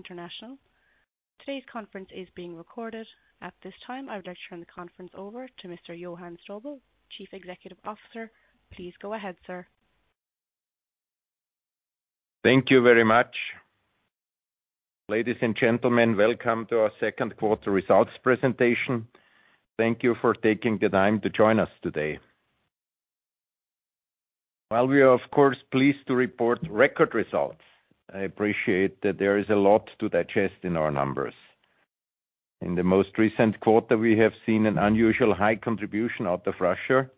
International. Today's conference is being recorded. At this time, I would like to turn the conference over to Mr. Johann Strobl, Chief Executive Officer. Please go ahead, sir. Thank you very much. Ladies and gentlemen, welcome to our second quarter results presentation. Thank you for taking the time to join us today. While we are of course pleased to report record results, I appreciate that there is a lot to digest in our numbers. In the most recent quarter, we have seen an unusual high contribution out of Russia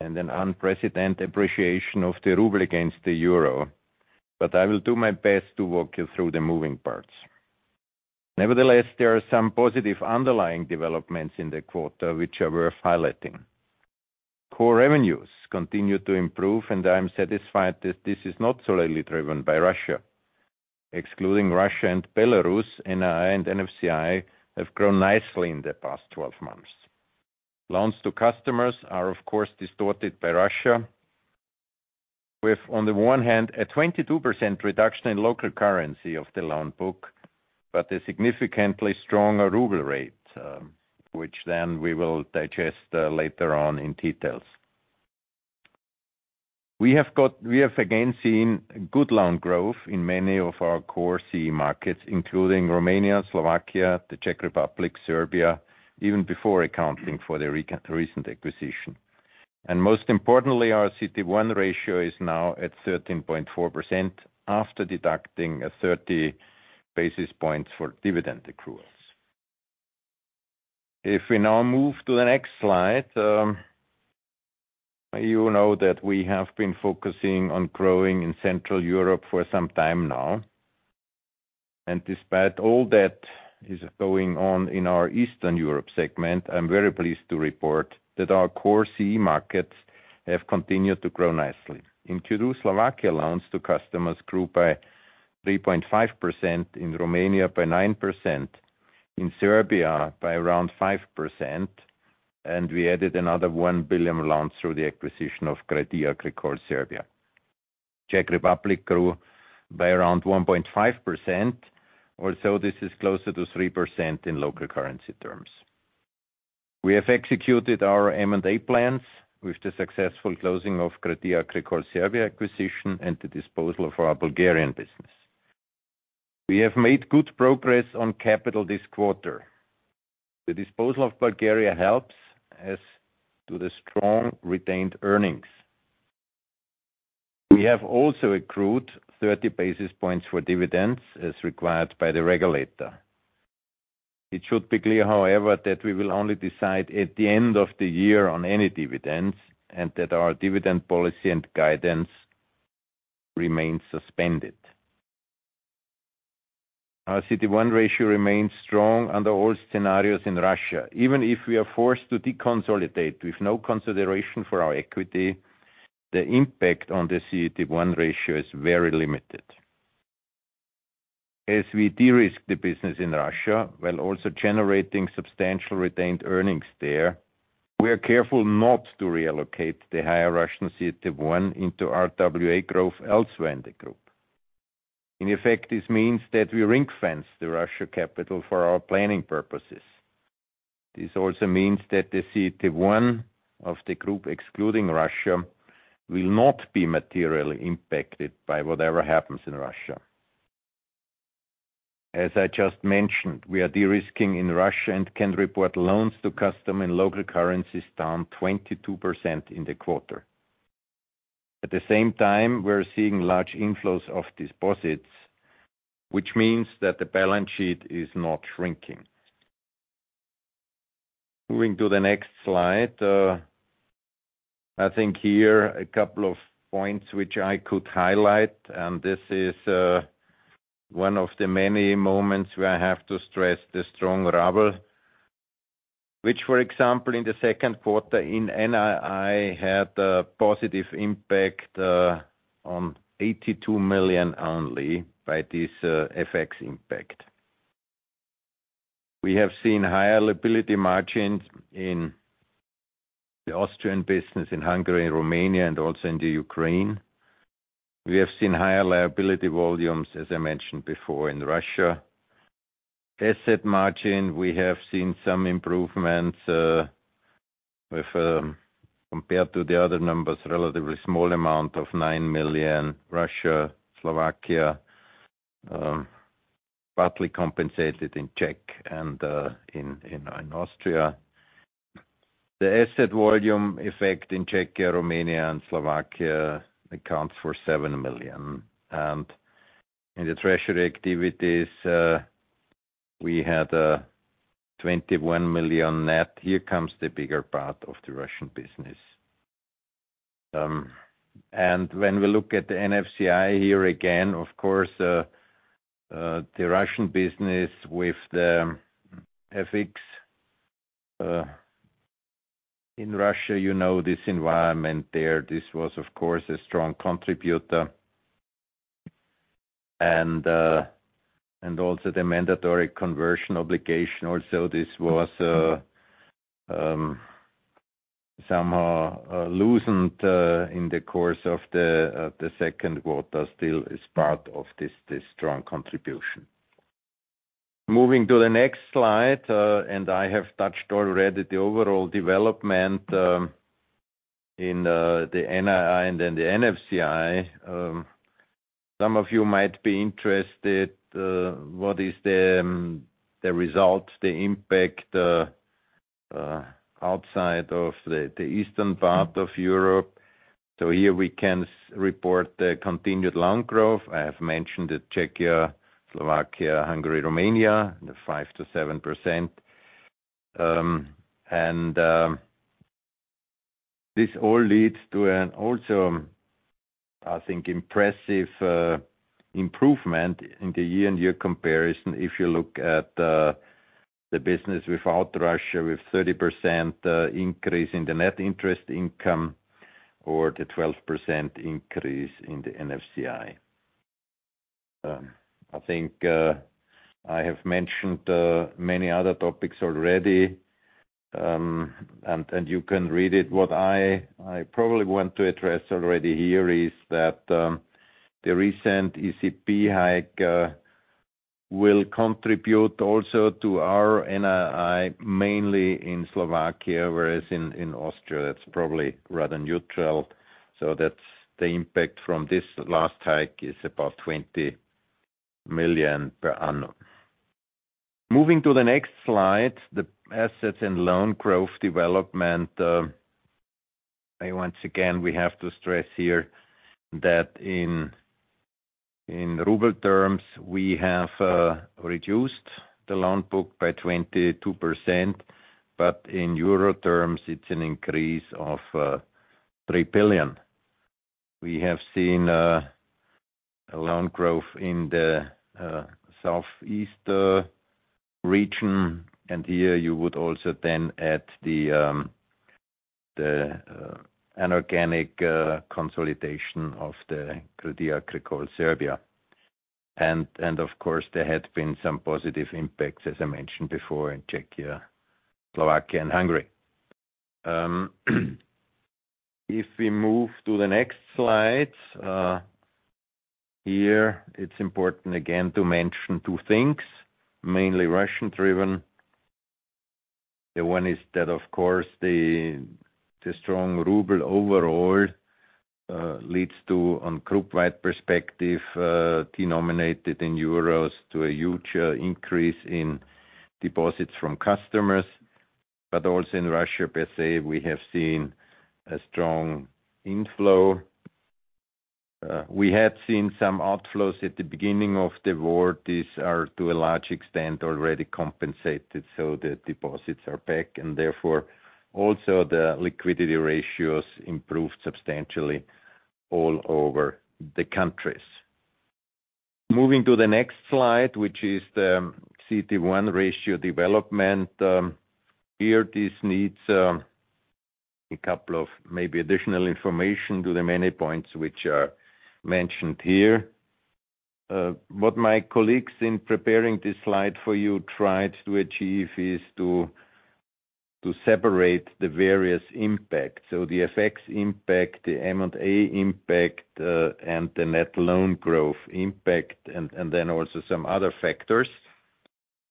and an unprecedented appreciation of the ruble against the euro. I will do my best to walk you through the moving parts. Nevertheless, there are some positive underlying developments in the quarter which are worth highlighting. Core revenues continue to improve, and I am satisfied that this is not solely driven by Russia. Excluding Russia and Belarus, NII and NFCI have grown nicely in the past twelve months. Loans to customers are, of course, distorted by Russia with, on the one hand, a 22% reduction in local currency of the loan book, but a significantly stronger ruble rate, which then we will digest later on in details. We have again seen good loan growth in many of our core CEE markets, including Romania, Slovakia, the Czech Republic, Serbia, even before accounting for the recent acquisition. Most importantly, our CET1 ratio is now at 13.4% after deducting 30 basis points for dividend accruals. If we now move to the next slide, you know that we have been focusing on growing in Central Europe for some time now. Despite all that is going on in our Eastern Europe segment, I'm very pleased to report that our core CEE markets have continued to grow nicely. In Slovakia, loans to customers grew by 3.5%, in Romania by 9%, in Serbia by around 5%, and we added another 1 billion loans through the acquisition of Crédit Agricole Serbia. Czech Republic grew by around 1.5%, also this is closer to 3% in local currency terms. We have executed our M&A plans with the successful closing of Crédit Agricole Serbia acquisition and the disposal of our Bulgarian business. We have made good progress on capital this quarter. The disposal of Bulgaria helps, as do the strong retained earnings. We have also accrued 30 basis points for dividends as required by the regulator. It should be clear, however, that we will only decide at the end of the year on any dividends, and that our dividend policy and guidance remain suspended. Our CET1 ratio remains strong under all scenarios in Russia. Even if we are forced to deconsolidate with no consideration for our equity, the impact on the CET1 ratio is very limited. As we de-risk the business in Russia while also generating substantial retained earnings there, we are careful not to reallocate the higher Russian CET1 into RWA growth elsewhere in the group. In effect, this means that we ring-fence the Russia capital for our planning purposes. This also means that the CET1 of the group, excluding Russia, will not be materially impacted by whatever happens in Russia. As I just mentioned, we are de-risking in Russia and can report loans to customer in local currency is down 22% in the quarter. At the same time, we're seeing large inflows of deposits, which means that the balance sheet is not shrinking. Moving to the next slide, I think here a couple of points which I could highlight, and this is one of the many moments where I have to stress the strong ruble, which, for example, in the second quarter in NII had a positive impact on 82 million only by this FX impact. We have seen higher liability margins in the Austrian business, in Hungary, Romania, and also in the Ukraine. We have seen higher liability volumes, as I mentioned before, in Russia. Asset margin, we have seen some improvements with compared to the other numbers, relatively small amount of 9 million, Russia, Slovakia, partly compensated in Czech and in Austria. The asset volume effect in Czechia, Romania and Slovakia accounts for 7 million. In the treasury activities, we had 21 million net. Here comes the bigger part of the Russian business. When we look at the NFCI here again, of course, the Russian business with the FX in Russia, you know this environment there, this was of course a strong contributor. Also the mandatory conversion obligation, this was loosened in the course of the second quarter still is part of this strong contribution. Moving to the next slide, I have touched already the overall development in the NII and then the NFCI. Some of you might be interested what is the results, the impact outside of the eastern part of Europe. Here we can report the continued loan growth. I have mentioned the Czechia, Slovakia, Hungary, Romania, the 5%-7%. This all leads to an also, I think, impressive improvement in the year-on-year comparison. If you look at the business without Russia, with 30% increase in the net interest income or the 12% increase in the NFCI. I think I have mentioned many other topics already, and you can read it. What I probably want to address already here is that the recent ECB hike will contribute also to our NII, mainly in Slovakia, whereas in Austria it's probably rather neutral. That's the impact from this last hike is about 20 million per annum. Moving to the next slide, the assets and loan growth development. Once again, we have to stress here that in ruble terms we have reduced the loan book by 22%, but in euro terms it's an increase of 3 billion. We have seen a loan growth in the southeast region, and here you would also then add the inorganic consolidation of the Crédit Agricole Serbia. Of course, there had been some positive impacts, as I mentioned before in Czechia, Slovakia and Hungary. If we move to the next slide, here it's important again to mention two things, mainly Russian-driven. The one is that, of course, the strong ruble overall leads to, on group-wide perspective, denominated in euros to a huge increase in deposits from customers. Also in Russia per se, we have seen a strong inflow. We had seen some outflows at the beginning of the war. These are, to a large extent already compensated, so the deposits are back and therefore also the liquidity ratios improved substantially all over the countries. Moving to the next slide, which is the CET1 ratio development. Here this needs a couple of maybe additional information to the many points which are mentioned here. What my colleagues in preparing this slide for you tried to achieve is to separate the various impacts. The FX impact, the M&A impact, and the net loan growth impact, and then also some other factors.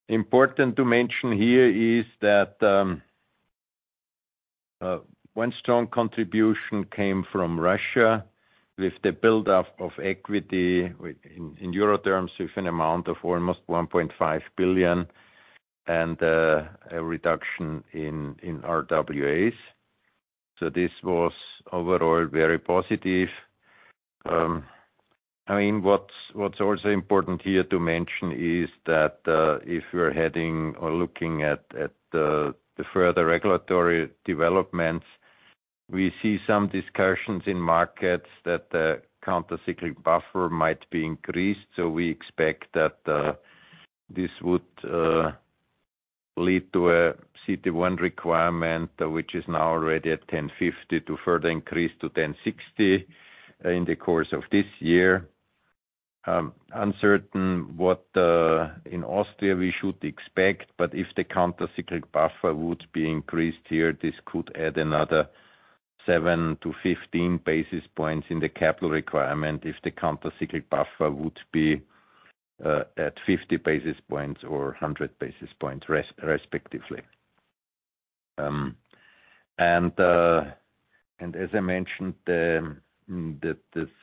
Important to mention here is that one strong contribution came from Russia with the buildup of equity in euro terms, with an amount of almost 1.5 billion and a reduction in RWAs. This was overall very positive. I mean, what's also important here to mention is that if we're heading or looking at the further regulatory developments, we see some discussions in markets that the countercyclical buffer might be increased. We expect that this would lead to a CET1 requirement, which is now already at 10.50 to further increase to 10.60 in the course of this year. Uncertain what in Austria we should expect, but if the countercyclical buffer would be increased here, this could add another 7 basis points-15 basis points in the capital requirement if the countercyclical buffer would be at 50 basis points or 100 basis points respectively. As I mentioned, the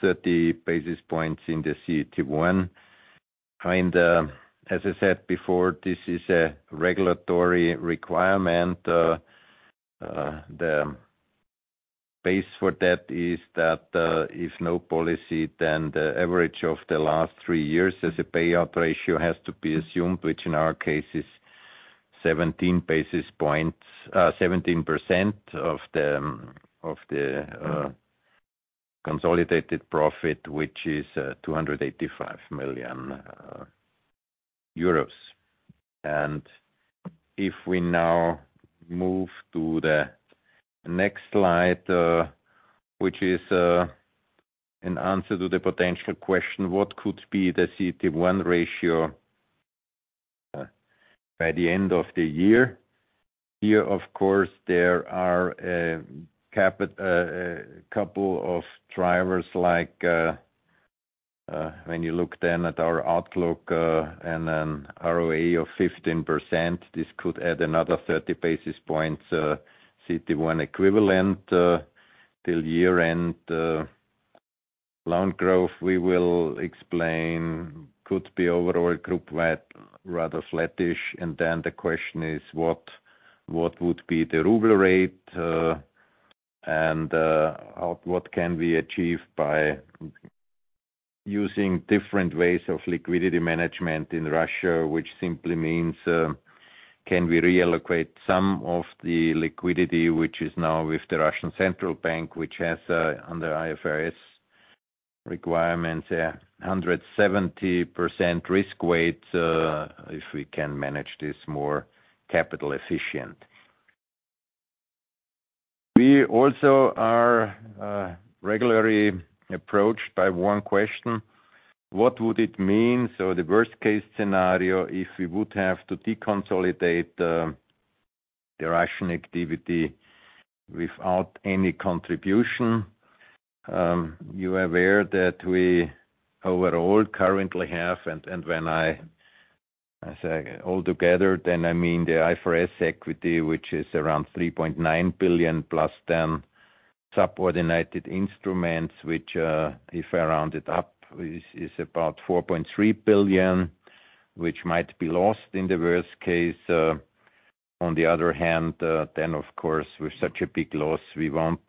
30 basis points in the CET1 and, as I said before, this is a regulatory requirement. The base for that is that if no policy, then the average of the last three years as a payout ratio has to be assumed, which in our case is 17% of the consolidated profit, which is 285 million euros. If we now move to the next slide, which is an answer to the potential question. What could be the CET1 ratio by the end of the year. Here, of course, there are a couple of drivers like, when you look then at our outlook, and an ROE of 15%, this could add another 30 basis points, CET1 equivalent, till year-end. Loan growth, we will explain, could be overall group rather flattish. The question is, what would be the ruble rate, and what can we achieve by using different ways of liquidity management in Russia? Which simply means, can we reallocate some of the liquidity which is now with the Central Bank of Russia, which has, under IFRS requirements, a 170% risk weight, if we can manage this more capital efficient. We also are regularly approached by one question: What would it mean, so the worst case scenario, if we would have to deconsolidate the Russian activity without any contribution? You're aware that we overall currently have. When I say altogether, then I mean the IFRS equity, which is around 3.9 billion, plus then subordinated instruments, which if I round it up, is about 4.3 billion, which might be lost in the worst case. On the other hand, then of course, with such a big loss, we won't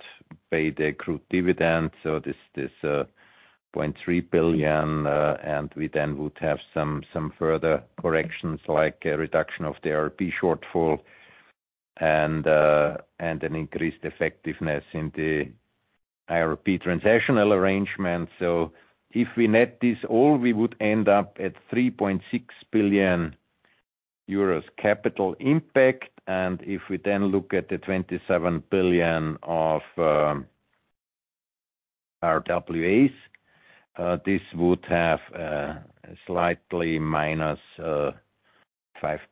pay the accrued dividends, so this 0.3 billion, and we then would have some further corrections, like a reduction of the IRB shortfall and an increased effectiveness in the IRB transitional arrangements. If we net this all, we would end up at 3.6 billion euros capital impact. If we then look at the 27 billion of RWAs, this would have a slightly minus 5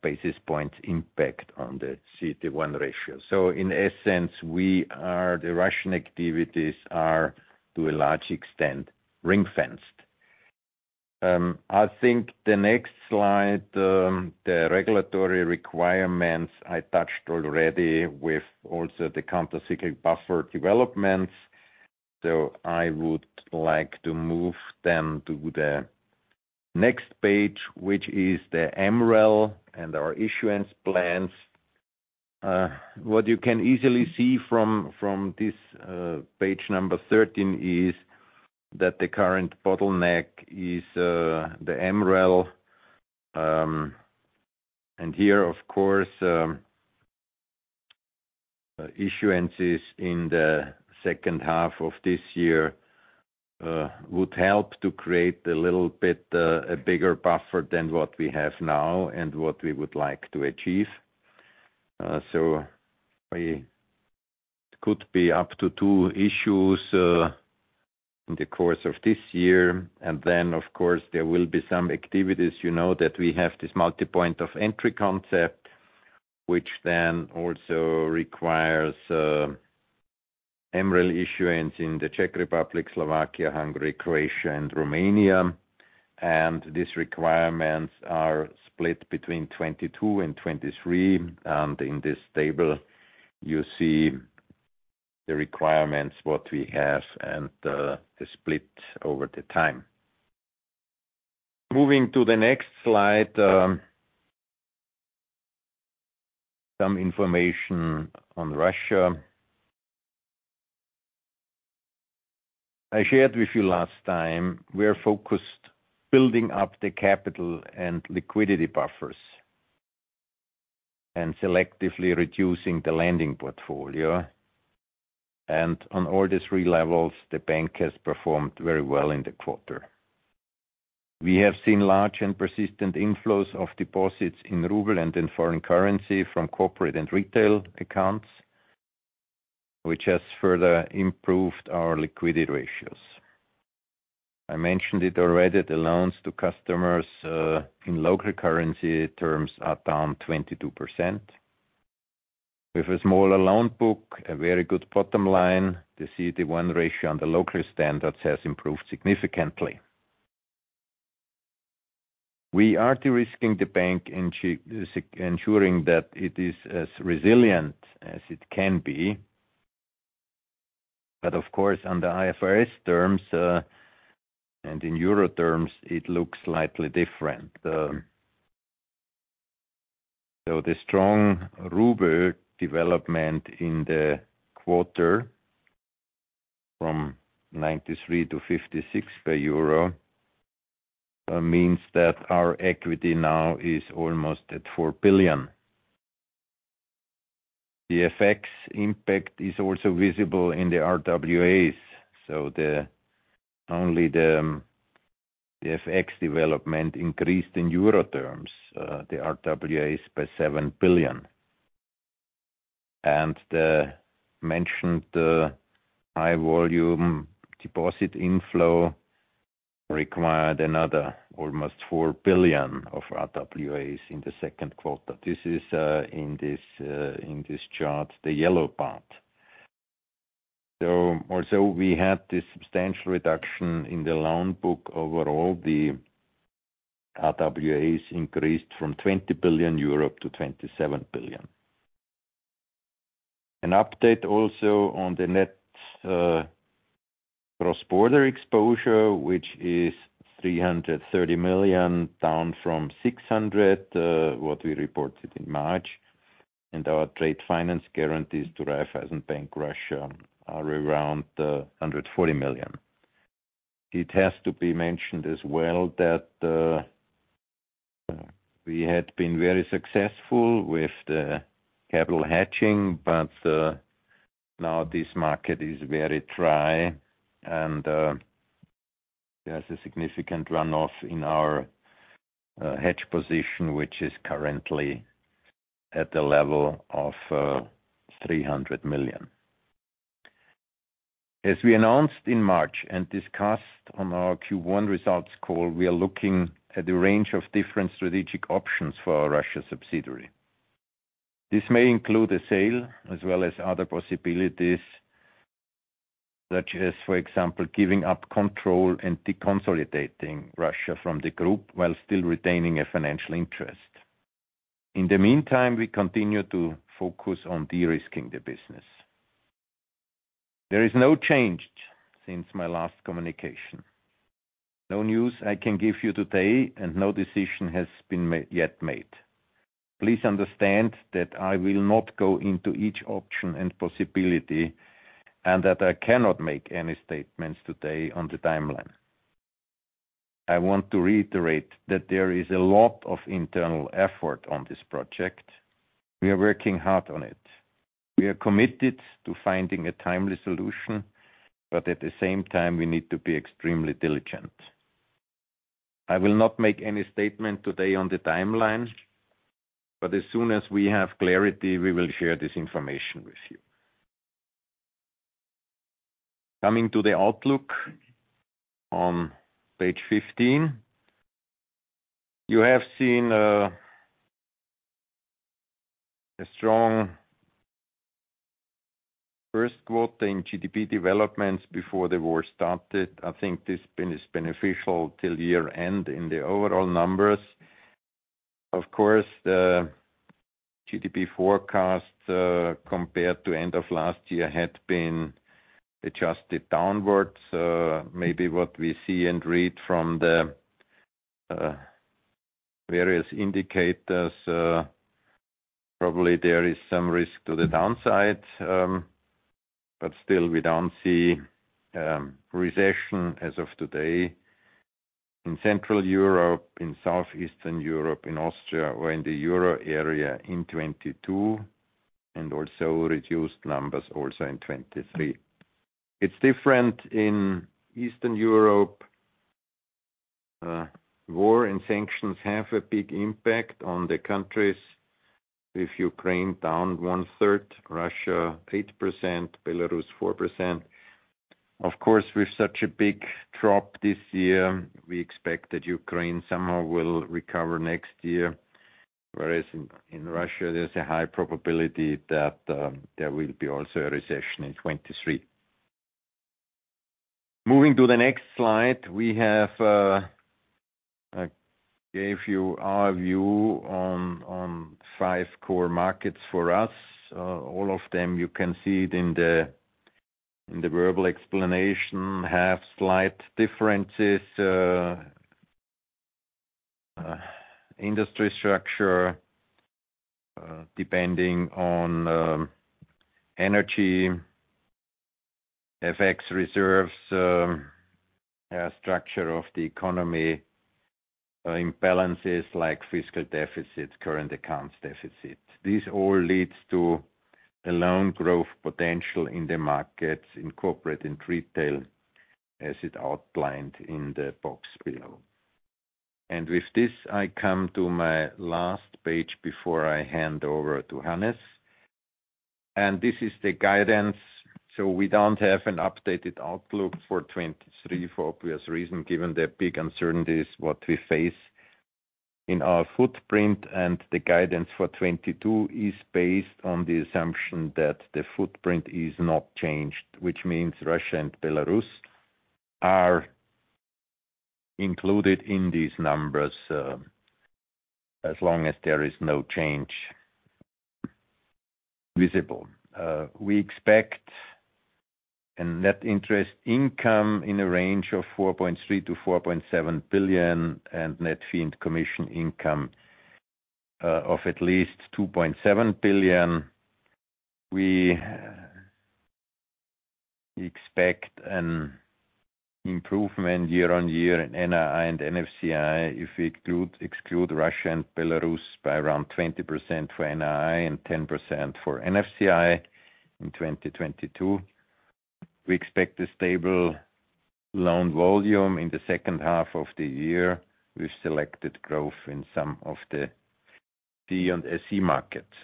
basis points impact on the CET1 ratio. In essence, the Russian activities are, to a large extent, ring-fenced. I think the next slide, the regulatory requirements I touched already with also the countercyclical buffer developments. I would like to move then to the next page, which is the MREL and our issuance plans. What you can easily see from this, page number 13 is that the current bottleneck is the MREL. Issuances in the second half of this year would help to create a little bit a bigger buffer than what we have now and what we would like to achieve. It could be up to two issues in the course of this year. Then, of course, there will be some activities. You know that we have this Multiple Point of Entry concept, which then also requires MREL issuance in the Czech Republic, Slovakia, Hungary, Croatia, and Romania. These requirements are split between 2022 and 2023. In this table, you see the requirements, what we have and the split over the time. Moving to the next slide, some information on Russia. I shared with you last time, we are focused building up the capital and liquidity buffers and selectively reducing the lending portfolio. On all the three levels, the bank has performed very well in the quarter. We have seen large and persistent inflows of deposits in ruble and in foreign currency from corporate and retail accounts, which has further improved our liquidity ratios. I mentioned it already. The loans to customers in local currency terms are down 22%. With a smaller loan book, a very good bottom line, the CET1 ratio on the local standards has improved significantly. We are de-risking the bank, ensuring that it is as resilient as it can be. Of course, under IFRS terms, and in euro terms, it looks slightly different. The strong ruble development in the quarter from 93 to 56 per euro means that our equity now is almost at 4 billion. The FX impact is also visible in the RWAs. Only the FX development increased in euro terms the RWAs by 7 billion. The mentioned high volume deposit inflow required another almost 4 billion of RWAs in the second quarter. This is in this chart, the yellow part. Also we had this substantial reduction in the loan book. Overall, the RWAs increased from 20 billion euro to 27 billion. An update also on the net cross-border exposure, which is 330 million, down from 600 million what we reported in March. Our trade finance guarantees to Raiffeisen Bank are around 140 million. It has to be mentioned as well that we had been very successful with the capital hedging, but now this market is very dry and there's a significant runoff in our hedge position, which is currently at the level of 300 million. As we announced in March and discussed on our Q1 results call, we are looking at a range of different strategic options for our Russia subsidiary. This may include a sale as well as other possibilities, such as, for example, giving up control and deconsolidating Russia from the group while still retaining a financial interest. In the meantime, we continue to focus on de-risking the business. There is no change since my last communication. No news I can give you today, and no decision has been made yet. Please understand that I will not go into each option and possibility, and that I cannot make any statements today on the timeline. I want to reiterate that there is a lot of internal effort on this project. We are working hard on it. We are committed to finding a timely solution, but at the same time, we need to be extremely diligent. I will not make any statement today on the timeline, but as soon as we have clarity, we will share this information with you. Coming to the outlook on page 15. You have seen a strong first quarter in GDP developments before the war started. I think this is beneficial till year-end in the overall numbers. Of course, the GDP forecast compared to end of last year had been adjusted downwards. Maybe what we see and read from the various indicators, probably there is some risk to the downside, but still we don't see recession as of today in Central Europe, in Southeastern Europe, in Austria or in the Euro area in 2022, and also reduced numbers also in 2023. It's different in Eastern Europe. War and sanctions have a big impact on the countries, with Ukraine down one-third, Russia 8%, Belarus 4%. Of course, with such a big drop this year, we expect that Ukraine somehow will recover next year, whereas in Russia there's a high probability that there will be also a recession in 2023. Moving to the next slide, we have gave you our view on five core markets for us. All of them, you can see it in the verbal explanation, have slight differences, industry structure, depending on energy, FX reserves, structure of the economy, imbalances like fiscal deficits, current accounts deficits. This all leads to a loan growth potential in the markets in corporate and retail, as is outlined in the box below. With this, I come to my last page before I hand over to Hannes. This is the guidance. We don't have an updated outlook for 2023 for obvious reasons, given the big uncertainties what we face in our footprint. The guidance for 2022 is based on the assumption that the footprint is not changed, which means Russia and Belarus are included in these numbers, as long as there is no change visible. We expect a net interest income in a range of 4.3-4.7 billion, and net fee and commission income of at least 2.7 billion. We expect an improvement year on year in NII and NFCI if we exclude Russia and Belarus by around 20% for NII and 10% for NFCI in 2022. We expect a stable loan volume in the second half of the year with selected growth in some of the C and SE markets.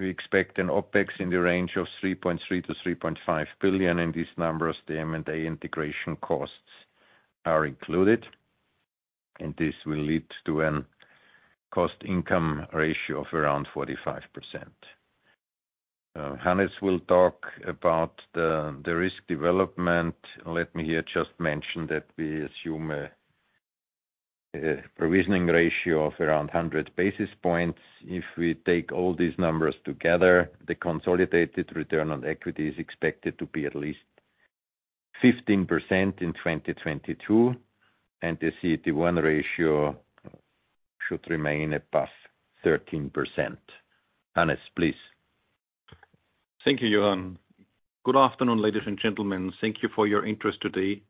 We expect an OpEx in the range of 3.3-3.5 billion. In these numbers, the M&A integration costs are included, and this will lead to a cost income ratio of around 45%. Hannes will talk about the risk development. Let me here just mention that we assume a provisioning ratio of around 100 basis points. If we take all these numbers together, the consolidated return on equity is expected to be at least 15% in 2022, and the CET1 ratio should remain above 13%. Hannes, please. Thank you, Johann. Good afternoon, ladies and gentlemen. Thank you for your interest today.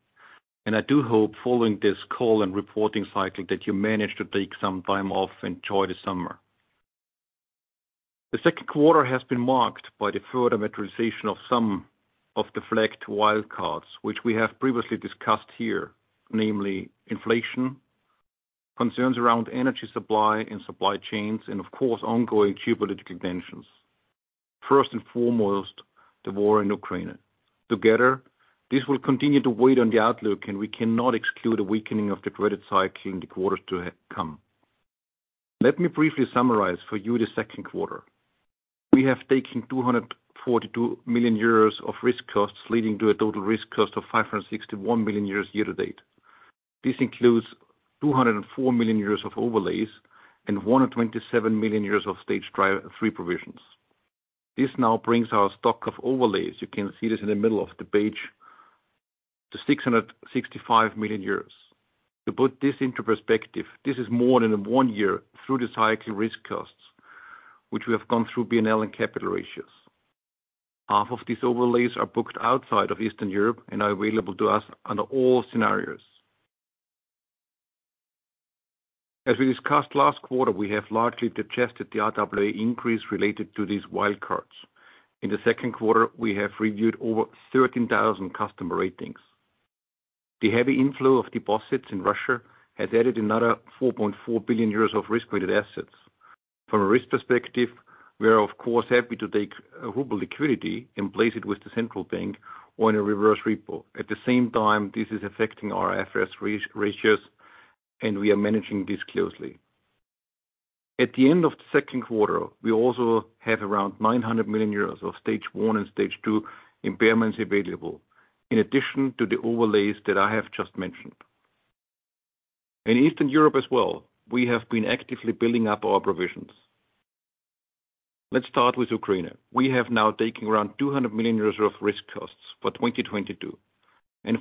I do hope following this call and reporting cycle that you manage to take some time off, enjoy the summer. The second quarter has been marked by the further materialization of some of the flagged wild cards which we have previously discussed here, namely inflation, concerns around energy supply and supply chains and of course, ongoing geopolitical tensions. First and foremost, the war in Ukraine. Together, this will continue to weigh on the outlook, and we cannot exclude a weakening of the credit cycle in the quarters to come. Let me briefly summarize for you the second quarter. We have taken 242 million euros of risk costs, leading to a total risk cost of 561 million euros year to date. This includes 204 million euros of overlays and 127 million euros of Stage three provisions. This now brings our stock of overlays, you can see this in the middle of the page, to 665 million euros. To put this into perspective, this is more than one year through the cycle risk costs, which we have gone through P&L and capital ratios. Half of these overlays are booked outside of Eastern Europe and are available to us under all scenarios. As we discussed last quarter, we have largely digested the RWA increase related to these wild cards. In the second quarter, we have reviewed over 13,000 customer ratings. The heavy inflow of deposits in Russia has added another 4.4 billion euros of risk-weighted assets. From a risk perspective, we are of course happy to take a ruble liquidity and place it with the central bank or in a reverse repo. At the same time, this is affecting our IFRS ratios, and we are managing this closely. At the end of the second quarter, we also have around 900 million euros of Stage one and Stage two impairments available in addition to the overlays that I have just mentioned. In Eastern Europe as well, we have been actively building up our provisions. Let's start with Ukraine. We have now taken around 200 million euros of risk costs for 2022.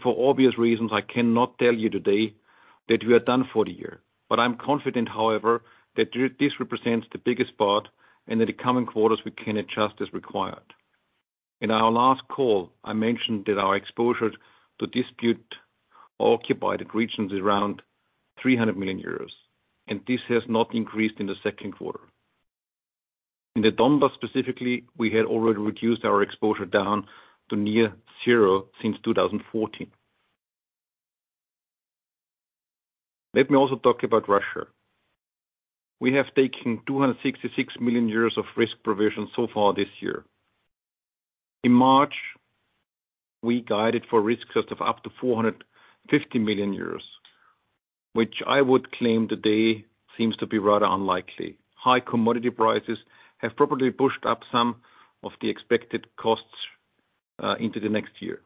For obvious reasons, I cannot tell you today that we are done for the year. I'm confident, however, that this represents the biggest part and that the coming quarters we can adjust as required. In our last call, I mentioned that our exposure to dispute-occupied regions is around 300 million euros, and this has not increased in the second quarter. In the Donbas specifically, we had already reduced our exposure down to near zero since 2014. Let me also talk about Russia. We have taken 266 million euros of risk provisions so far this year. In March, we guided for risk costs of up to 450 million euros, which I would claim today seems to be rather unlikely. High commodity prices have probably pushed up some of the expected costs into the next year.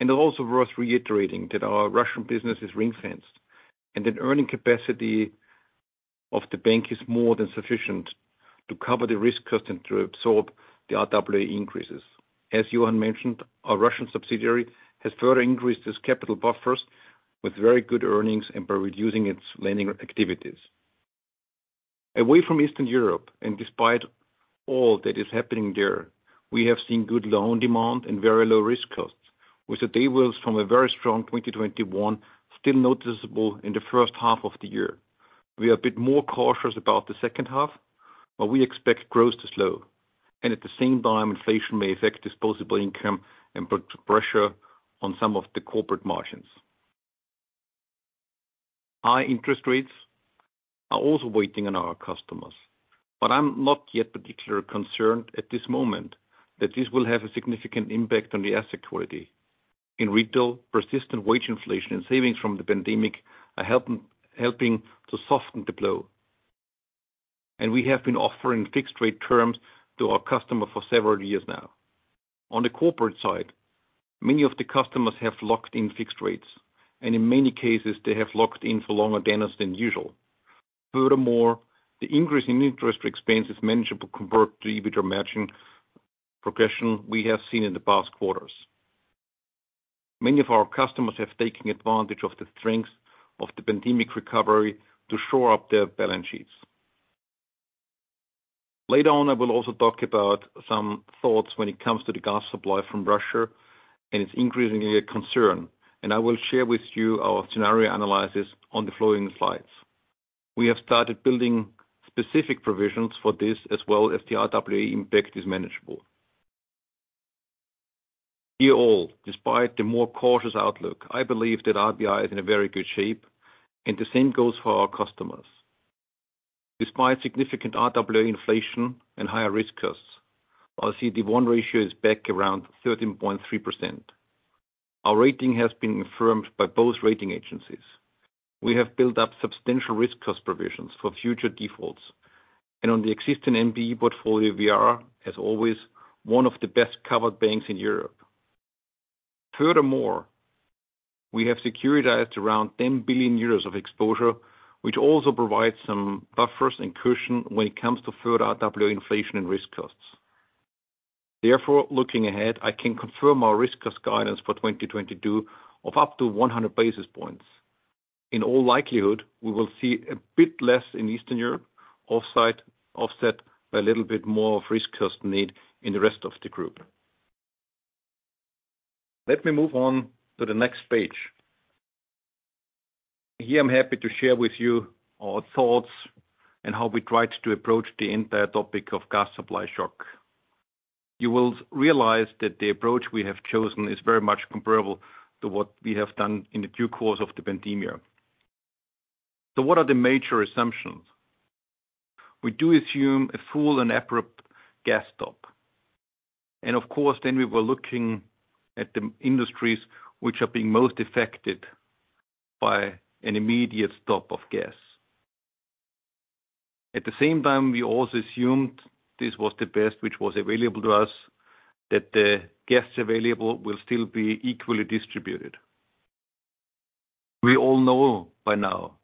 It's also worth reiterating that our Russian business is ring-fenced and an earning capacity of the bank is more than sufficient to cover the risk cost and to absorb the RWA increases. As Johann mentioned, our Russian subsidiary has further increased its capital buffers with very good earnings and by reducing its lending activities. Away from Eastern Europe and despite all that is happening there, we have seen good loan demand and very low risk costs, with the tailwinds from a very strong 2021 still noticeable in the first half of the year. We are a bit more cautious about the second half, but we expect growth to slow. At the same time, inflation may affect disposable income and put pressure on some of the corporate margins. High interest rates are also waiting on our customers. I'm not yet particularly concerned at this moment that this will have a significant impact on the asset quality. In retail, persistent wage inflation and savings from the pandemic are helping to soften the blow. We have been offering fixed rate terms to our customer for several years now. On the corporate side, many of the customers have locked in fixed rates, and in many cases, they have locked in for longer tenors than usual. Furthermore, the increase in interest expense is manageable compared to EBITDA matching progression we have seen in the past quarters. Many of our customers have taken advantage of the strength of the pandemic recovery to shore up their balance sheets. Later on, I will also talk about some thoughts when it comes to the gas supply from Russia and its increasing concern. I will share with you our scenario analysis on the following slides. We have started building specific provisions for this as well as the RWA impact is manageable. Overall, despite the more cautious outlook, I believe that RBI is in a very good shape, and the same goes for our customers. Despite significant RWA inflation and higher risk costs, our CET1 ratio is back around 13.3%. Our rating has been affirmed by both rating agencies. We have built up substantial risk cost provisions for future defaults. On the existing NPE portfolio, we are, as always, one of the best-covered banks in Europe. Furthermore, we have securitized around 10 billion euros of exposure, which also provides some buffers and cushion when it comes to further RWA inflation and risk costs. Therefore, looking ahead, I can confirm our risk cost guidance for 2022 of up to 100 basis points. In all likelihood, we will see a bit less in Eastern Europe, offset by a little bit more of risk cost need in the rest of the group. Let me move on to the next page. Here, I'm happy to share with you our thoughts and how we tried to approach the entire topic of gas supply shock. You will realize that the approach we have chosen is very much comparable to what we have done in the due course of the pandemic. What are the major assumptions? We do assume a full and abrupt gas stop. Of course, then we were looking at the industries which are being most affected by an immediate stop of gas. At the same time, we also assumed this was the best which was available to us, that the gas available will still be equally distributed. We all know by now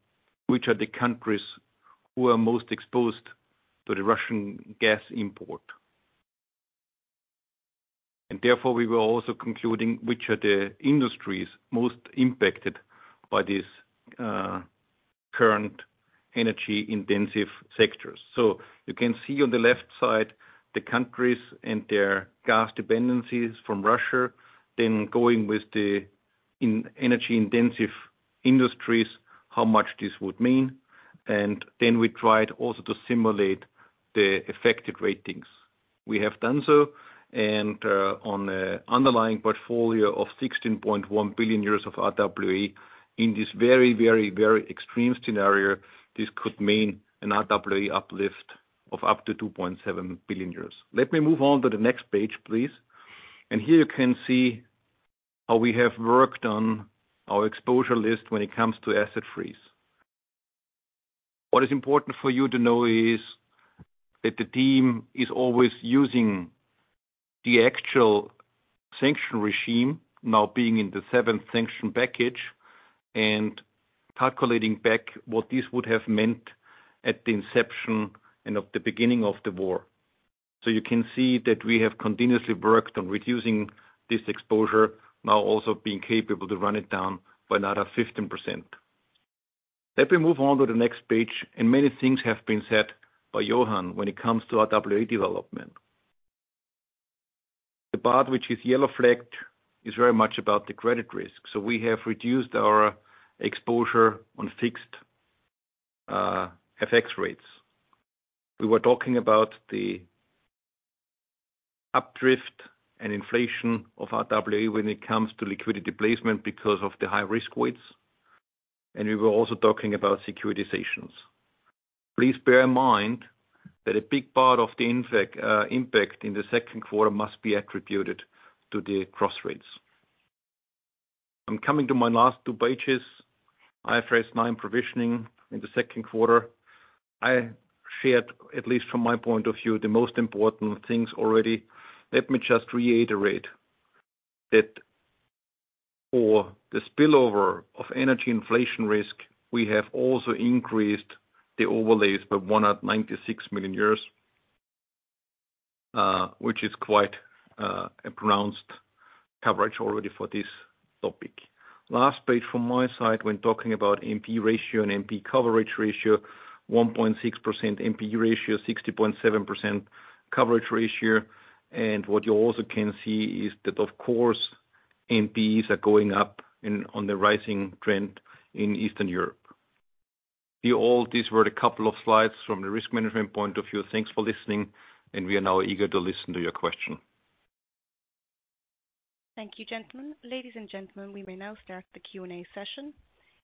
which are the countries who are most exposed to the Russian gas import. Therefore, we were also concluding which are the industries most impacted by these, current energy-intensive sectors. You can see on the left side the countries and their gas dependencies from Russia, then going with the energy-intensive industries, how much this would mean. Then we tried also to simulate the affected ratings. We have done so, on the underlying portfolio of 16.1 billion euros of RWA in this very extreme scenario, this could mean an RWA uplift of up to 2.7 billion euros. Let me move on to the next page, please. Here you can see how we have worked on our exposure list when it comes to asset freeze. What is important for you to know is that the team is always using the actual sanction regime, now being in the seventh sanction package, and calculating back what this would have meant at the inception and at the beginning of the war. You can see that we have continuously worked on reducing this exposure, now also being capable to run it down by another 15%. Let me move on to the next page, and many things have been said by Johann when it comes to RWA development. The part which is yellow-flagged is very much about the credit risk. We have reduced our exposure on fixed FX rates. We were talking about the updrift and inflation of RWA when it comes to liquidity placement because of the high-risk weights. We were also talking about securitizations. Please bear in mind that a big part of the impact in the second quarter must be attributed to the cross rates. I'm coming to my last two pages. IFRS 9 provisioning in the second quarter. I shared, at least from my point of view, the most important things already. Let me just reiterate that for the spillover of energy inflation risk, we have also increased the overlays by 96 million, which is quite a pronounced coverage already for this topic. Last page from my side when talking about NPE ratio and NPE coverage ratio, 1.6% NPE ratio, 60.7% coverage ratio. What you also can see is that, of course, NPEs are going up on the rising trend in Eastern Europe. Overall, these were a couple of slides from the risk management point of view. Thanks for listening, and we are now eager to listen to your question. Thank you, gentlemen. Ladies and gentlemen, we may now start the Q&A session.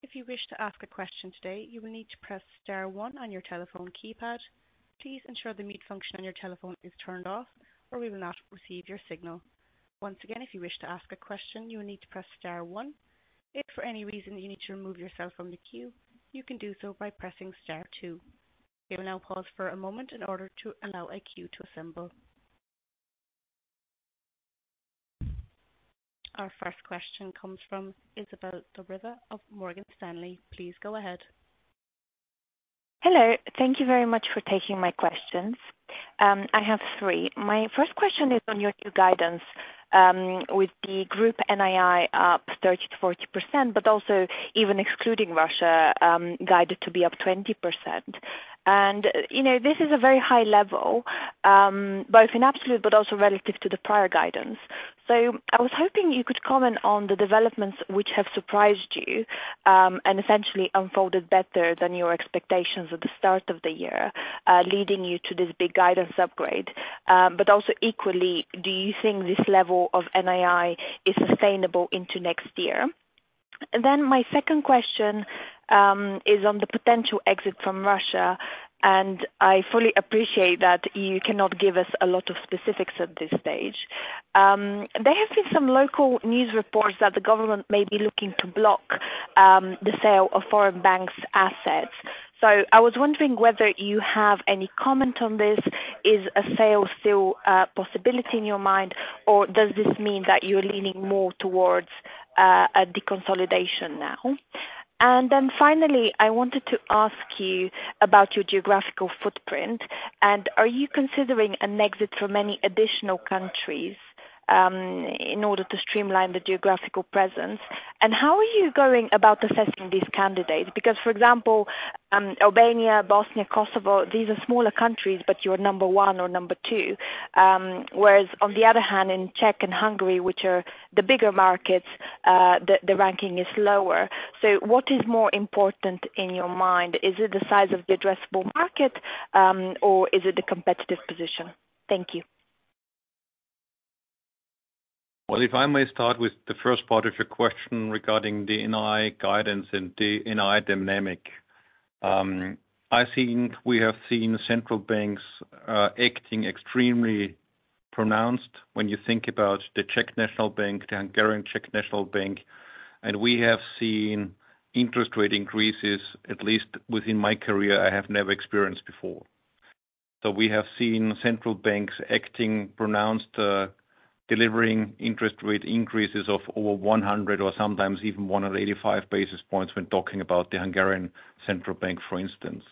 If you wish to ask a question today, you will need to press star one on your telephone keypad. Please ensure the mute function on your telephone is turned off, or we will not receive your signal. Once again, if you wish to ask a question, you will need to press star one. If for any reason you need to remove yourself from the queue, you can do so by pressing star two. We will now pause for a moment in order to allow a queue to assemble. Our first question comes from Isabelle Da Riva of Morgan Stanley. Please go ahead. Hello. Thank you very much for taking my questions. I have three. My first question is on your new guidance, with the group NII up 30%-40%, but also even excluding Russia, guided to be up 20%. You know, this is a very high level, both in absolute but also relative to the prior guidance. I was hoping you could comment on the developments which have surprised you, and essentially unfolded better than your expectations at the start of the year, leading you to this big guidance upgrade. Equally, do you think this level of NII is sustainable into next year? My second question is on the potential exit from Russia, and I fully appreciate that you cannot give us a lot of specifics at this stage. There have been some local news reports that the government may be looking to block the sale of foreign banks' assets. I was wondering whether you have any comment on this. Is a sale still a possibility in your mind, or does this mean that you're leaning more towards a deconsolidation now? I wanted to ask you about your geographical footprint. Are you considering an exit from any additional countries in order to streamline the geographical presence? How are you going about assessing these candidates? Because, for example, Albania, Bosnia, Kosovo, these are smaller countries, but you're number one or number two. Whereas on the other hand, in Czech and Hungary, which are the bigger markets, the ranking is lower. What is more important in your mind? Is it the size of the addressable market, or is it the competitive position? Thank you. Well, if I may start with the first part of your question regarding the NII guidance and the NII dynamic. I think we have seen central banks acting extremely proactively when you think about the Czech National Bank, the Hungarian National Bank, and we have seen interest rate increases, at least within my career, I have never experienced before. We have seen central banks acting proactively, delivering interest rate increases of over 100 or sometimes even 185 basis points when talking about the Hungarian National Bank, for instance.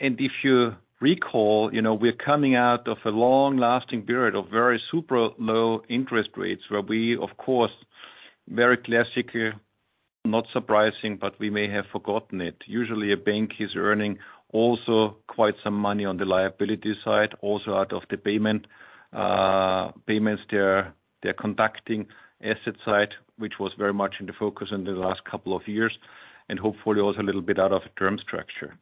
If you recall, you know, we're coming out of a long-lasting period of very super low interest rates, where we, of course, very classically, not surprising, but we may have forgotten it. Usually, a bank is earning also quite some money on the liability side, also out of the payments they're conducting asset side, which was very much in the focus in the last couple of years, and hopefully also a little bit out of term structure.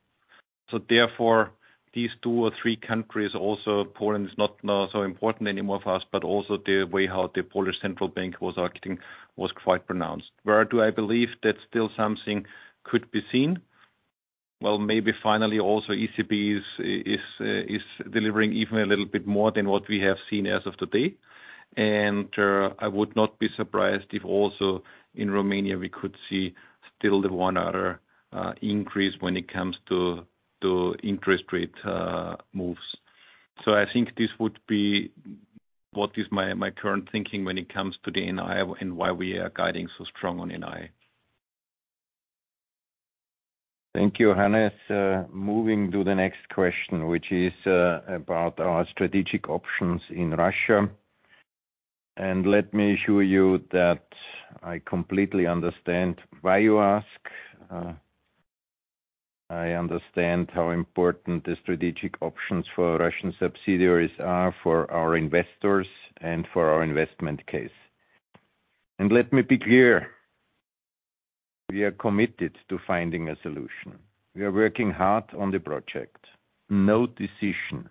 Therefore, these two or three countries also, Poland is not so important anymore for us, but also the way how the Polish central bank was acting was quite pronounced. Where do I believe that still something could be seen? Well, maybe finally, also ECB is delivering even a little bit more than what we have seen as of today. I would not be surprised if also in Romania, we could see still another increase when it comes to interest rate moves. I think this would be what is my current thinking when it comes to the NII and why we are guiding so strong on NII. Thank you, Hannes. Moving to the next question, which is about our strategic options in Russia. Let me assure you that I completely understand why you ask. I understand how important the strategic options for Russian subsidiaries are for our investors and for our investment case. Let me be clear, we are committed to finding a solution. We are working hard on the project. No decision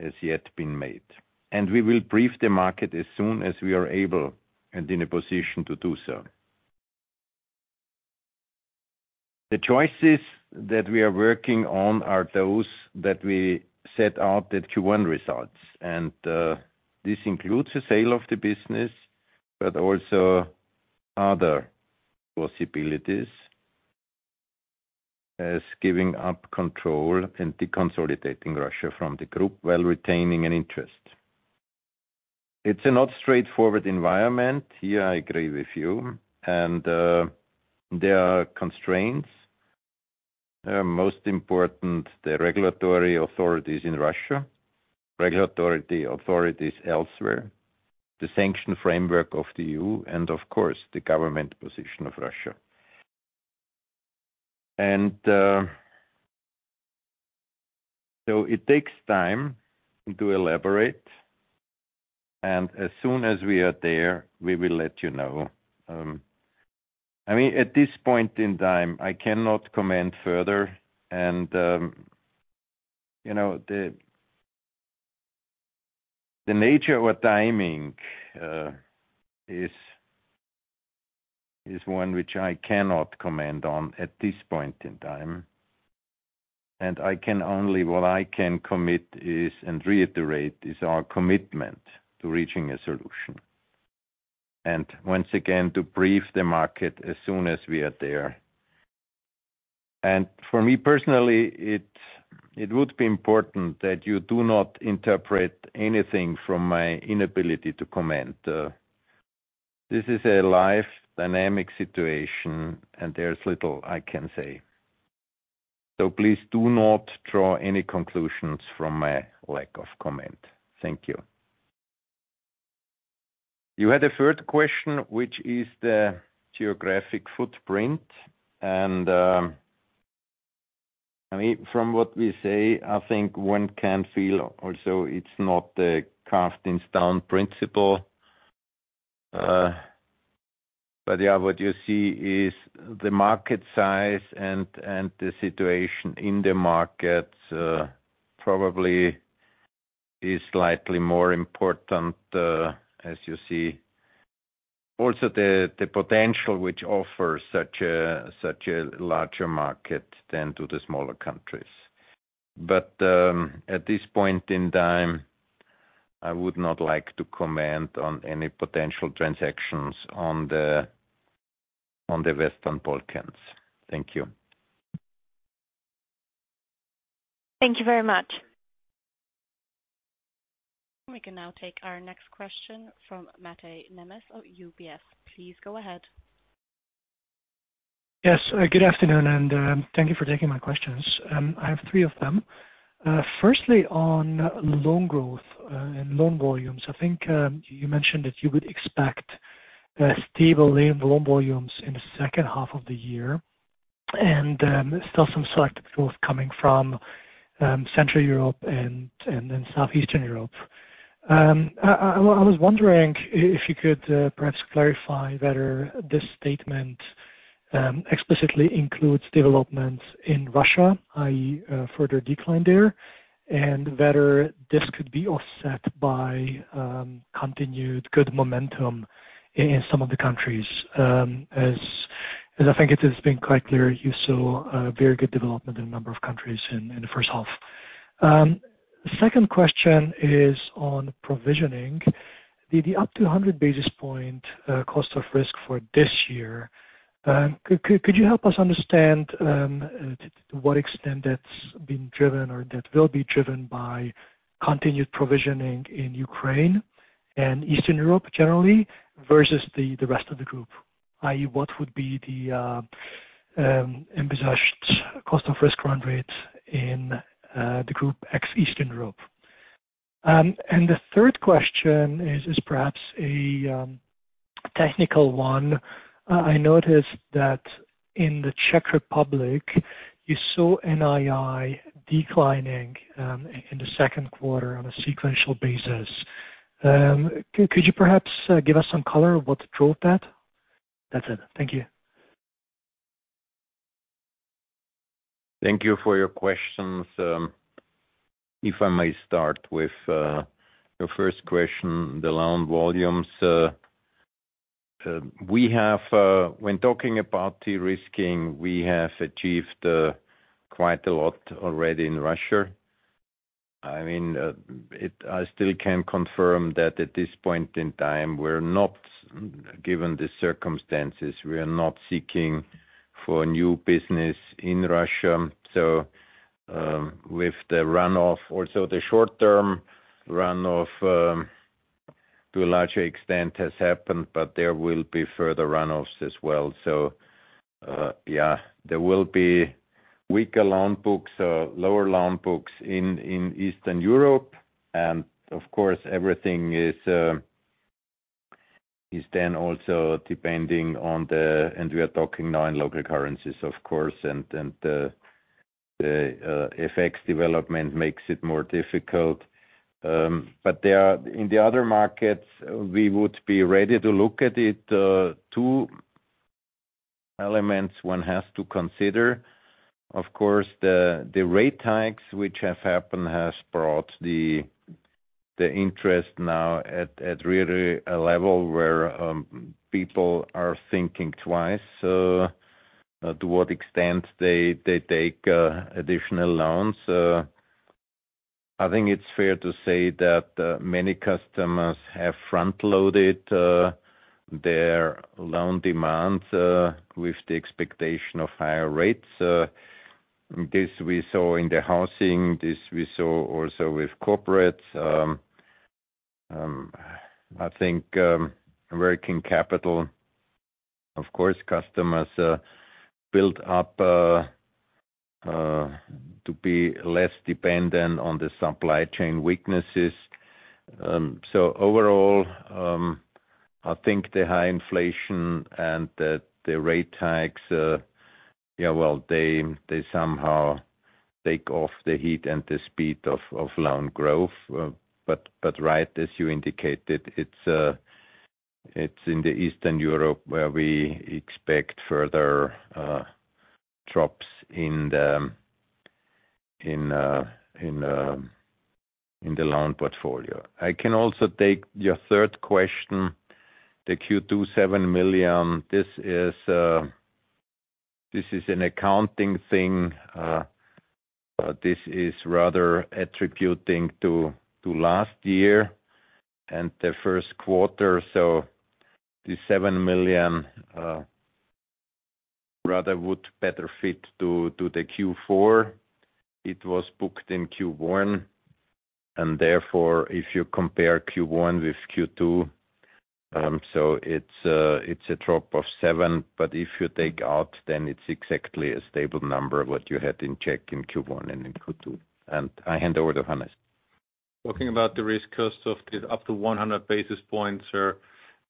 has yet been made, and we will brief the market as soon as we are able and in a position to do so. The choices that we are working on are those that we set out at Q1 results, and this includes the sale of the business, but also other possibilities as giving up control and deconsolidating Russia from the group while retaining an interest. It's not a straightforward environment. Here, I agree with you and there are constraints. Most important, the regulatory authorities in Russia, regulatory authorities elsewhere, the sanction framework of the EU, and of course, the government position of Russia. It takes time to elaborate, and as soon as we are there, we will let you know. I mean, at this point in time, I cannot comment further and you know, the nature or timing is one which I cannot comment on at this point in time. What I can commit and reiterate is our commitment to reaching a solution, and once again, to brief the market as soon as we are there. For me personally, it would be important that you do not interpret anything from my inability to comment. This is a live dynamic situation, and there's little I can say. Please do not draw any conclusions from my lack of comment. Thank you. You had a third question, which is the geographic footprint. I mean, from what we say, I think one can feel also it's not the set in stone principle. Yeah, what you see is the market size and the situation in the market, probably is slightly more important, as you see. Also the potential which offers such a larger market than to the smaller countries. At this point in time, I would not like to comment on any potential transactions on the Western Balkans. Thank you. Thank you very much. We can now take our next question from Mate Nemes of UBS. Please go ahead. Yes. Good afternoon, and thank you for taking my questions. I have three of them. Firstly, on loan growth and loan volumes. I think you mentioned that you would expect stable loan volumes in the second half of the year and still some selective growth coming from Central Europe and then Southeastern Europe. I was wondering if you could perhaps clarify whether this statement explicitly includes developments in Russia, i.e., a further decline there, and whether this could be offset by continued good momentum in some of the countries. As I think it has been quite clear, you saw a very good development in a number of countries in the first half. Second question is on provisioning. The up to 100 basis point cost of risk for this year. Could you help us understand to what extent that's being driven or that will be driven by continued provisioning in Ukraine and Eastern Europe generally, versus the rest of the group? I.e., what would be the envisaged cost of risk run rates in the group ex Eastern Europe? The third question is perhaps a technical one. I noticed that in the Czech Republic, you saw NII declining in the second quarter on a sequential basis. Could you perhaps give us some color of what drove that? That's it. Thank you. Thank you for your questions. If I may start with your first question, the loan volumes. We have, when talking about de-risking, we have achieved quite a lot already in Russia. I mean, I still can confirm that at this point in time, we're not, given the circumstances, we are not seeking for new business in Russia. With the runoff, also the short-term runoff, to a larger extent has happened, but there will be further runoffs as well. Yeah, there will be weaker loan books or lower loan books in Eastern Europe. We are talking now in local currencies, of course. FX development makes it more difficult. In the other markets, we would be ready to look at it. Two elements one has to consider. Of course, the rate hikes which have happened has brought the interest now at really a level where people are thinking twice to what extent they take additional loans. I think it's fair to say that many customers have front-loaded their loan demands with the expectation of higher rates. This we saw in the housing, this we saw also with corporates. I think working capital, of course, customers built up to be less dependent on the supply chain weaknesses. Overall, I think the high inflation and the rate hikes, yeah, well, they somehow take off the heat and the speed of loan growth. Right, as you indicated, it's in Eastern Europe where we expect further drops in the loan portfolio. I can also take your third question. The Q2 7 million. This is an accounting thing. This is rather attributing to last year and the first quarter. The 7 million rather would better fit to the Q4. It was booked in Q1, and therefore, if you compare Q1 with Q2, it's a drop of 7 million, but if you take out, then it's exactly a stable number, what you had in Czech in Q1 and in Q2. I hand over to Hannes. Talking about the risk cost of up to 100 basis points, sir.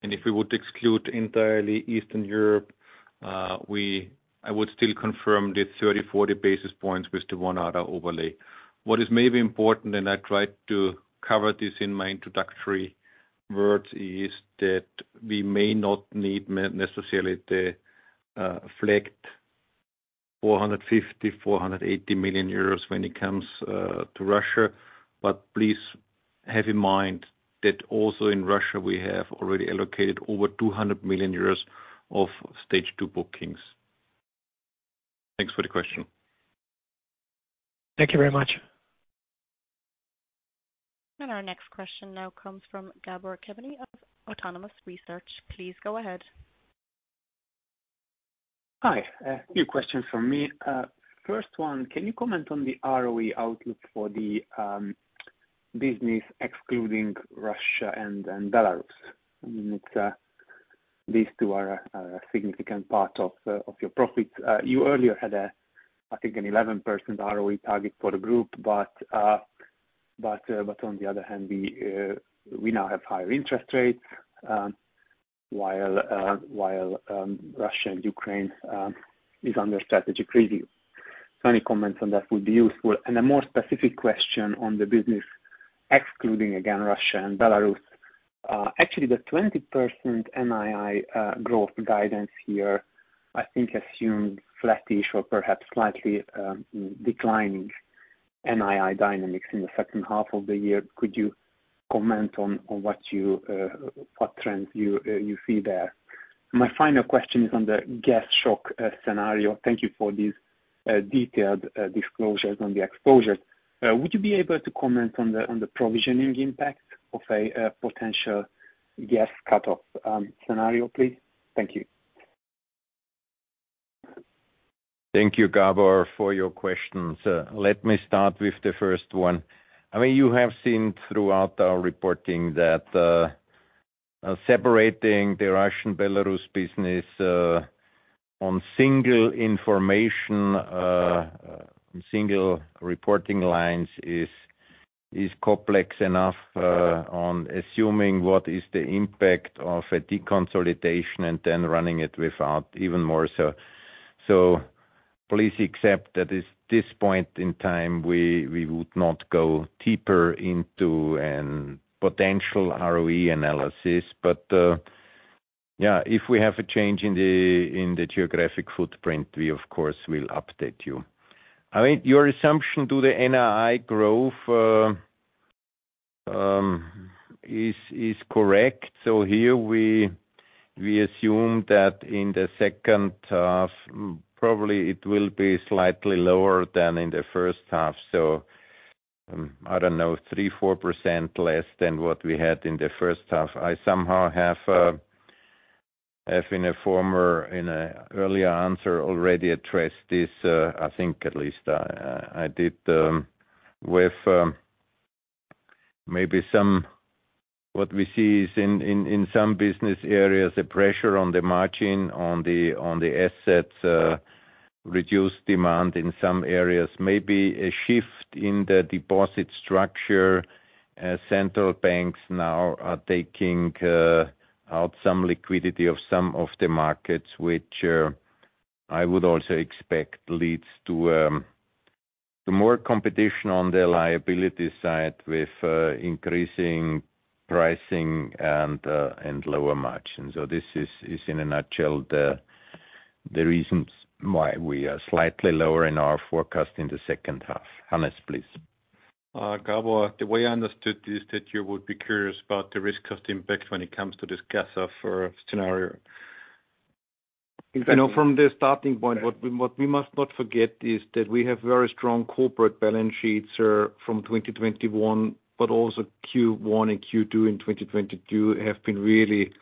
If we would exclude entirely Eastern Europe, I would still confirm the 30-40 basis points with the one other overlay. What is maybe important, and I tried to cover this in my introductory words, is that we may not need necessarily the flagged 450 million-480 million euros when it comes to Russia. Please have in mind that also in Russia we have already allocated over 200 million euros of Stage two bookings. Thanks for the question. Thank you very much. Our next question now comes from Gabor Kemeny of Autonomous Research. Please go ahead. Hi, few questions from me. First one, can you comment on the ROE outlook for the business excluding Russia and Belarus? I mean, it's these two are a significant part of your profits. You earlier had, I think, an 11% ROE target for the group, but on the other hand, we now have higher interest rates, while Russia and Ukraine is under strategic review. So any comments on that would be useful. A more specific question on the business, excluding again, Russia and Belarus. Actually the 20% NII growth guidance here, I think assumed flattish or perhaps slightly declining NII dynamics in the second half of the year. Could you comment on what trends you see there? My final question is on the gas shock scenario. Thank you for these detailed disclosures on the exposures. Would you be able to comment on the provisioning impact of a potential gas cutoff scenario, please? Thank you. Thank you, Gabor, for your questions. Let me start with the first one. I mean, you have seen throughout our reporting that separating the Russian-Belarus business on single information single reporting lines is complex enough on assuming what is the impact of a deconsolidation and then running it without even more so. Please accept that at this point in time, we would not go deeper into a potential ROE analysis. Yeah, if we have a change in the geographic footprint, we of course will update you. I mean, your assumption to the NII growth is correct. Here we assume that in the second half, probably it will be slightly lower than in the first half. I don't know, 3%-4% less than what we had in the first half. I somehow have in an earlier answer already addressed this. I think at least I did. What we see is in some business areas, the pressure on the margin on the assets, reduce demand in some areas, maybe a shift in the deposit structure. Central banks now are taking out some liquidity of some of the markets which I would also expect leads to more competition on the liability side with increasing pricing and lower margins. This is in a nutshell the reasons why we are slightly lower in our forecast in the second half. Hannes, please. Gabor, the way I understood is that you would be curious about the risk of the impact when it comes to this gas off scenario. Exactly. You know, from the starting point, what we must not forget is that we have very strong corporate balance sheets from 2021, but also Q1 and Q2 in 2022 have been really,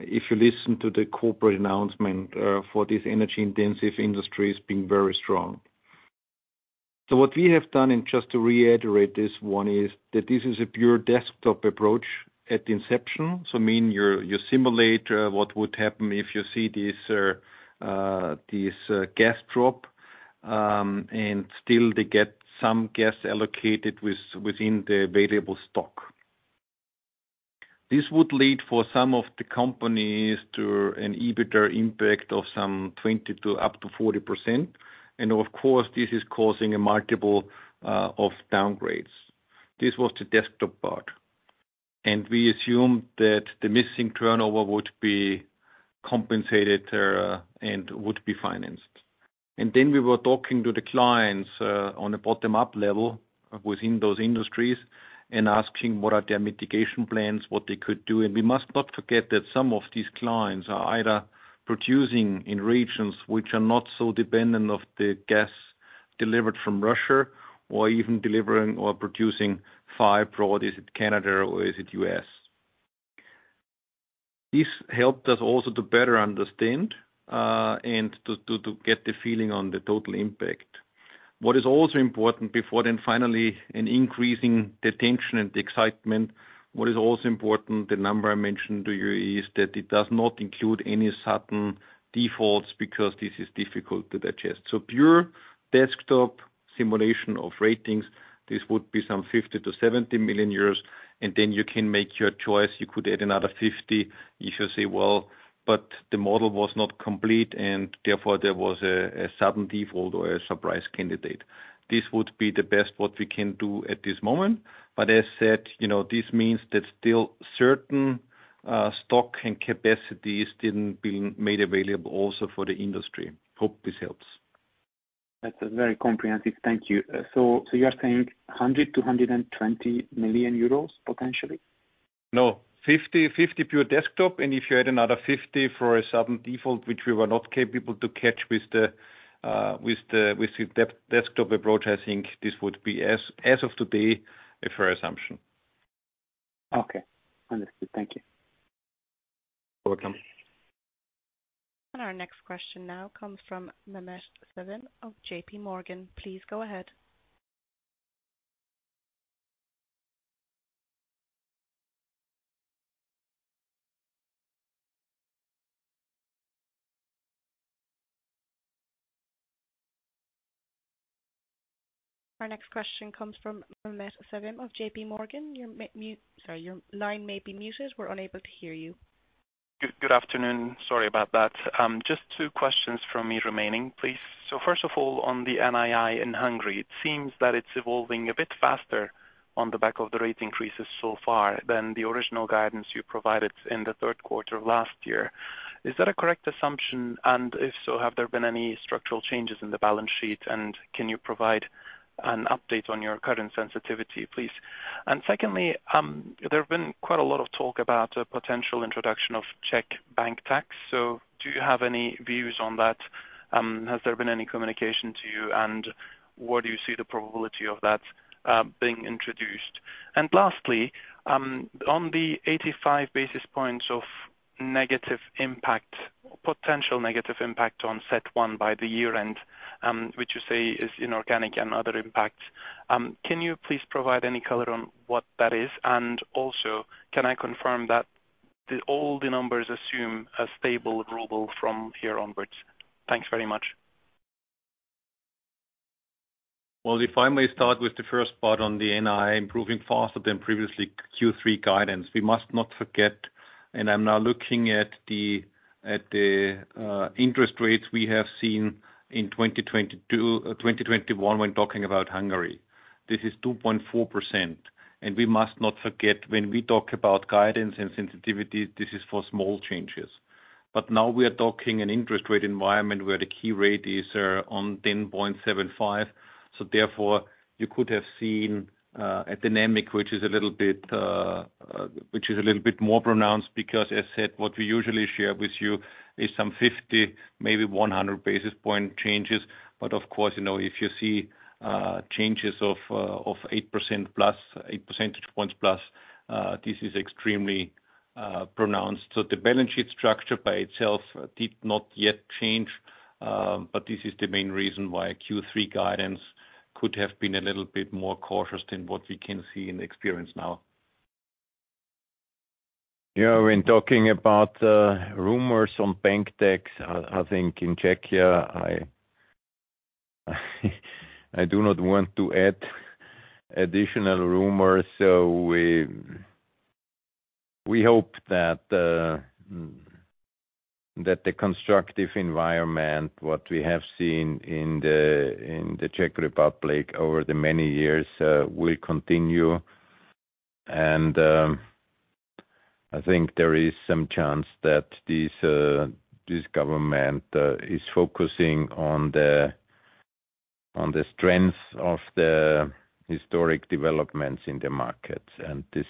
if you listen to the corporate announcement for these energy-intensive industries being very strong. What we have done, and just to reiterate this one, is that this is a pure desktop approach at inception. I mean, you simulate what would happen if you see this gas drop, and still they get some gas allocated within the available stock. This would lead for some of the companies to an EBITDA impact of some 20%-40%. Of course, this is causing a multiple of downgrades. This was the desktop part, and we assumed that the missing turnover would be compensated, and would be financed. Then we were talking to the clients, on a bottom-up level within those industries and asking what are their mitigation plans, what they could do. We must not forget that some of these clients are either producing in regions which are not so dependent of the gas delivered from Russia or even delivering or producing far abroad, is it Canada or is it US. This helped us also to better understand, and to get the feeling on the total impact. What is also important before then finally an increasing the tension and the excitement, what is also important, the number I mentioned to you is that it does not include any sudden defaults because this is difficult to digest. Pure desktop simulation of ratings, this would be some 50 million-70 million euros, and then you can make your choice. You could add another 50 million if you say, "Well, but the model was not complete, and therefore there was a sudden default or a surprise candidate." This would be the best what we can do at this moment. As said, you know, this means that still certain stock and capacities didn't been made available also for the industry. Hope this helps. That's very comprehensive. Thank you. You're saying 100 million-120 million euros, potentially? Now, 50/50 pure de-risk, and if you add another 50 for a sudden default, which we were not capable to catch with the de-risk approach, I think this would be as of today a fair assumption. Okay. Understood. Thank you. Welcome. Our next question now comes from Mehmet Sevim of JPMorgan. Please go ahead. Our next question comes from Mehmet Sevim of JPMorgan. Sorry, your line may be muted. We're unable to hear you. Good afternoon. Sorry about that. Just two questions from me remaining, please. First of all, on the NII in Hungary, it seems that it's evolving a bit faster on the back of the rate increases so far than the original guidance you provided in the third quarter of last year. Is that a correct assumption? And if so, have there been any structural changes in the balance sheet? And can you provide an update on your current sensitivity, please? Secondly, there have been quite a lot of talk about a potential introduction of Czech bank tax. Do you have any views on that? Has there been any communication to you, and where do you see the probability of that being introduced? Lastly, on the 85 basis points of negative impact, potential negative impact on CET1 by the year-end, which you say is inorganic and other impact, can you please provide any color on what that is? Also, can I confirm that all the numbers assume a stable ruble from here onwards? Thanks very much. Well, if I may start with the first part on the NII improving faster than previously Q3 guidance. We must not forget, and I'm now looking at the interest rates we have seen in 2021 when talking about Hungary. This is 2.4%. We must not forget when we talk about guidance and sensitivity, this is for small changes. Now we are talking an interest rate environment where the key rate is on 10.75. Therefore, you could have seen a dynamic which is a little bit more pronounced, because as I said, what we usually share with you is some 50, maybe 100 basis point changes. Of course, you know, if you see changes of 8%+, 8 percentage points plus, this is extremely pronounced. The balance sheet structure by itself did not yet change, but this is the main reason why Q3 guidance could have been a little bit more cautious than what we can see and experience now. Yeah, when talking about rumors on bank tax, I think in Czechia, I do not want to add additional rumors. We hope that the constructive environment what we have seen in the Czech Republic over the many years will continue. I think there is some chance that this government is focusing on the strengths of the historic developments in the market. This,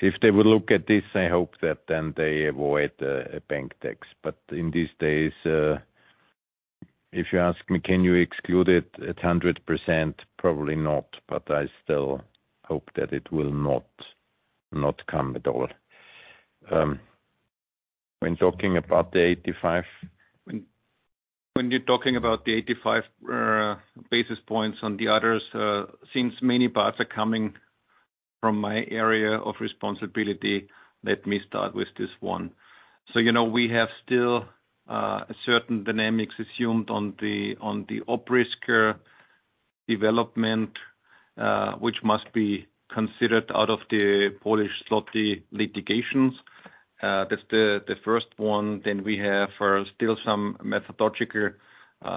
if they will look at this, I hope that then they avoid a bank tax. In these days, if you ask me, "Can you exclude it at 100%?" Probably not, but I still hope that it will not come at all. When talking about the eighty-five- When you're talking about the 85 basis points on the others, since many parts are coming from my area of responsibility, let me start with this one. You know, we have still certain dynamics assumed on the OpRisk development, which must be considered out of the Polish zloty litigations. That's the first one. We have still some methodological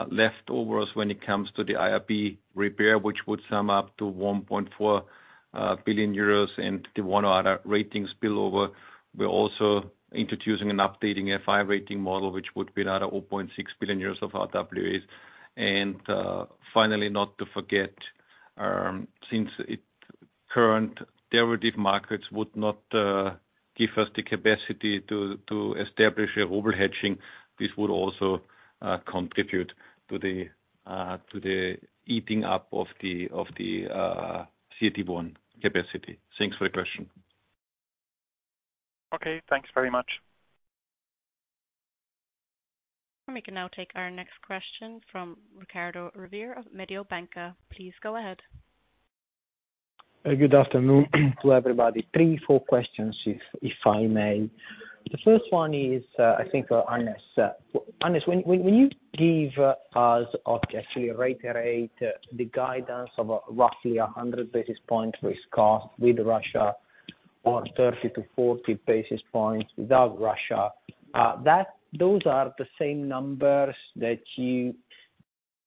leftovers when it comes to the IRB repair, which would sum up to 1.4 billion euros and the one-order ratings spillover. We're also introducing and updating a five-rating model, which would be another 0.6 billion euros of RWA. Finally, not to forget, since current derivative markets would not give us the capacity to establish a ruble hedging, this would also contribute to the eating up of the CET1 capacity. Thanks for the question. Okay, thanks very much. We can now take our next question from Riccardo Rovere of Mediobanca. Please go ahead. Good afternoon to everybody. Three or four questions if I may. The first one is, I think for Hannes. Hannes, when you give us or actually reiterate the guidance of roughly 100 basis points risk cost with Russia or 30-40 basis points without Russia, those are the same numbers that you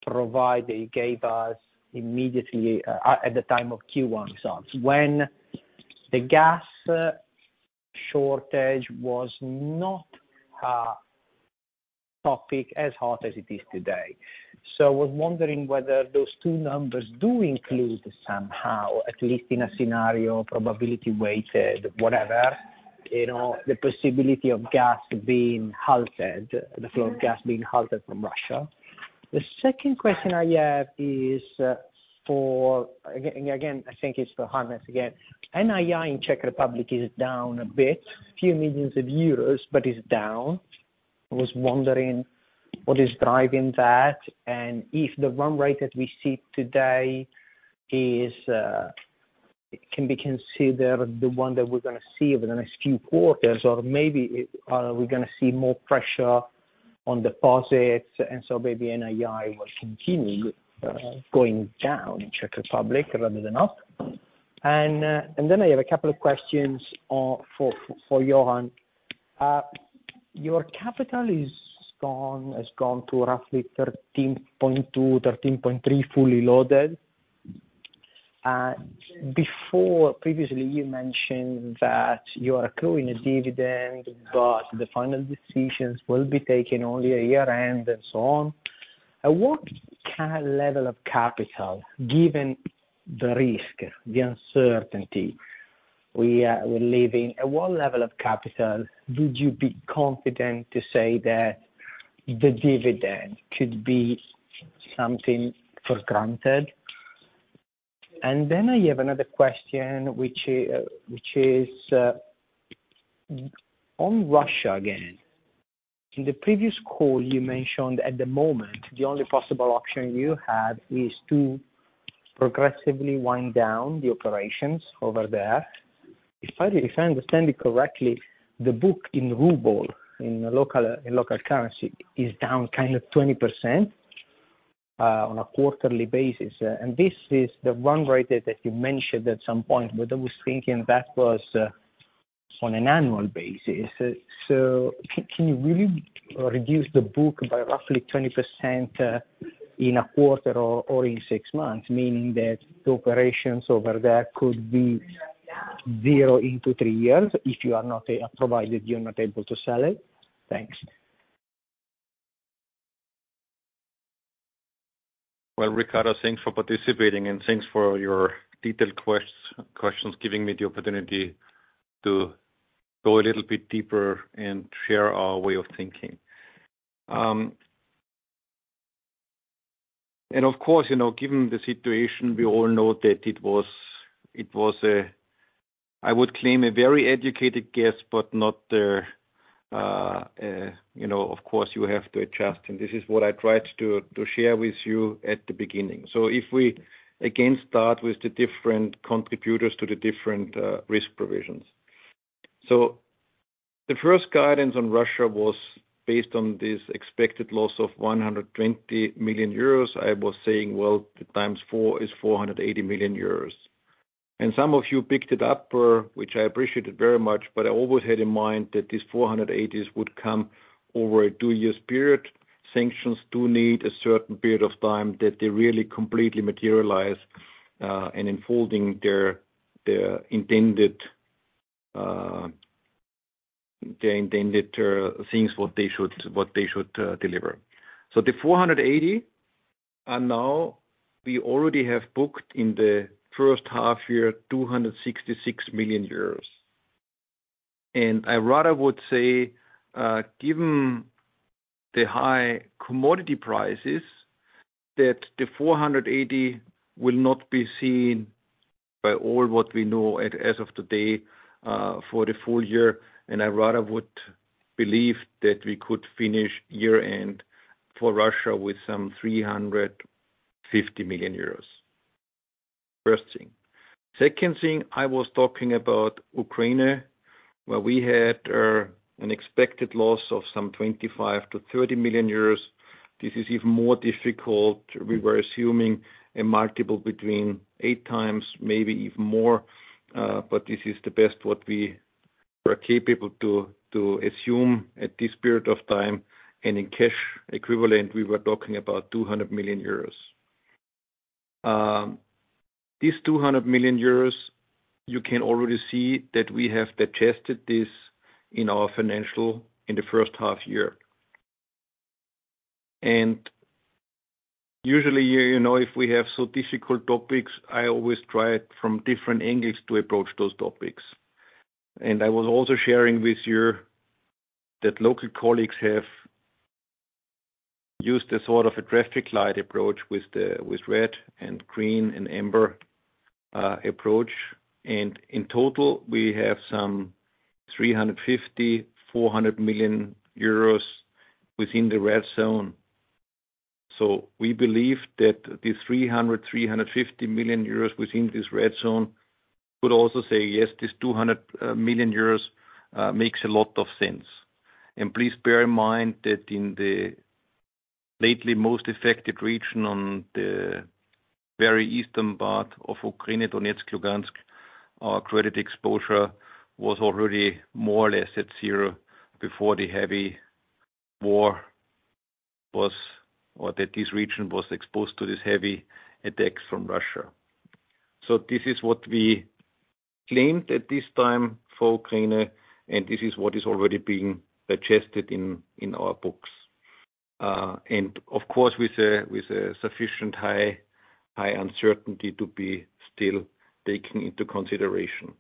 provide or you gave us immediately, at the time of Q1 results when the gas shortage was not a topic as hot as it is today. I was wondering whether those two numbers do include somehow, at least in a scenario, probability weighted, whatever, you know, the possibility of gas being halted, the flow of gas being halted from Russia. The second question I have is for again, I think it's for Hannes again. NII in Czech Republic is down a bit, a few million EUR, but it's down. I was wondering what is driving that, and if the run rate that we see today is can be considered the one that we're gonna see over the next few quarters, or maybe, we're gonna see more pressure on deposits, and so maybe NII will continue going down in Czech Republic rather than up. Then I have a couple of questions for Johann. Your capital has gone to roughly 13.2-13.3 fully loaded. Before, previously, you mentioned that you are accruing a dividend, but the final decisions will be taken only a year-end and so on. At what kind of level of capital, given the risk, the uncertainty we live in, at what level of capital would you be confident to say that the dividend could be taken for granted? I have another question which is on Russia again. In the previous call you mentioned at the moment, the only possible option you have is to progressively wind down the operations over there. If I understand you correctly, the book in ruble, in local currency, is down kind of 20% on a quarterly basis. This is the run rate that you mentioned at some point, but I was thinking that was on an annual basis. Can you really reduce the book by roughly 20% in a quarter or in six months, meaning that the operations over there could be zero in 2-3 years provided you are not able to sell it? Thanks. Well, Riccardo, thanks for participating, and thanks for your detailed questions, giving me the opportunity to go a little bit deeper and share our way of thinking. Of course, you know, given the situation, we all know that it was a very educated guess, but not the, you know, of course you have to adjust, and this is what I tried to share with you at the beginning. If we again start with the different contributors to the different risk provisions. The first guidance on Russia was based on this expected loss of 120 million euros. I was saying, well, times four is 480 million euros. Some of you picked it up, which I appreciated very much, but I always had in mind that this 480 would come over a 2-year period. Sanctions do need a certain period of time that they really completely materialize, and unfolding their intended things that they should deliver. The 480 are now, we already have booked in the first half year 266 million euros. I rather would say, given the high commodity prices, that the 480 will not be all that we know as of today, for the full year. I rather would believe that we could finish year-end for Russia with some 350 million euros. First thing. Second thing, I was talking about Ukraine, where we had an expected loss of some 25-30 million euros. This is even more difficult. We were assuming a multiple between 8x, maybe even more, but this is the best what we were capable to assume at this period of time. In cash equivalent, we were talking about 200 million euros. This 200 million euros you can already see that we have tested this in our financials in the first half year. Usually, you know, if we have so difficult topics, I always try it from different angles to approach those topics. I was also sharing with you that local colleagues have used a sort of a traffic light approach with red and green and amber approach. In total, we have some 350-400 million euros within the red zone. We believe that the 300-350 million euros within this red zone could also say yes, this 200 million euros makes a lot of sense. Please bear in mind that in the lately most affected region on the very eastern part of Ukraine, Donetsk, Luhansk, our credit exposure was already more or less at zero before the heavy war or that this region was exposed to this heavy attacks from Russia. This is what we claimed at this time for Ukraine, and this is what is already being adjusted in our books. Of course, with a sufficiently high uncertainty to be still taken into consideration.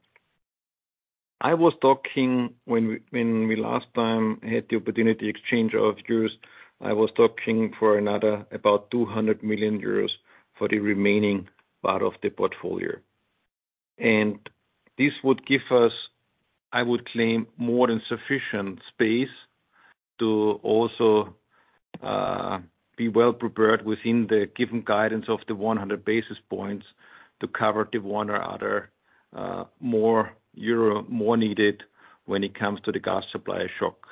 I was talking when we last time had the opportunity exchange of views. I was talking about another 200 million euros for the remaining part of the portfolio. This would give us, I would claim, more than sufficient space to also be well-prepared within the given guidance of 100 basis points to cover the one or other more euros needed when it comes to the gas supply shock.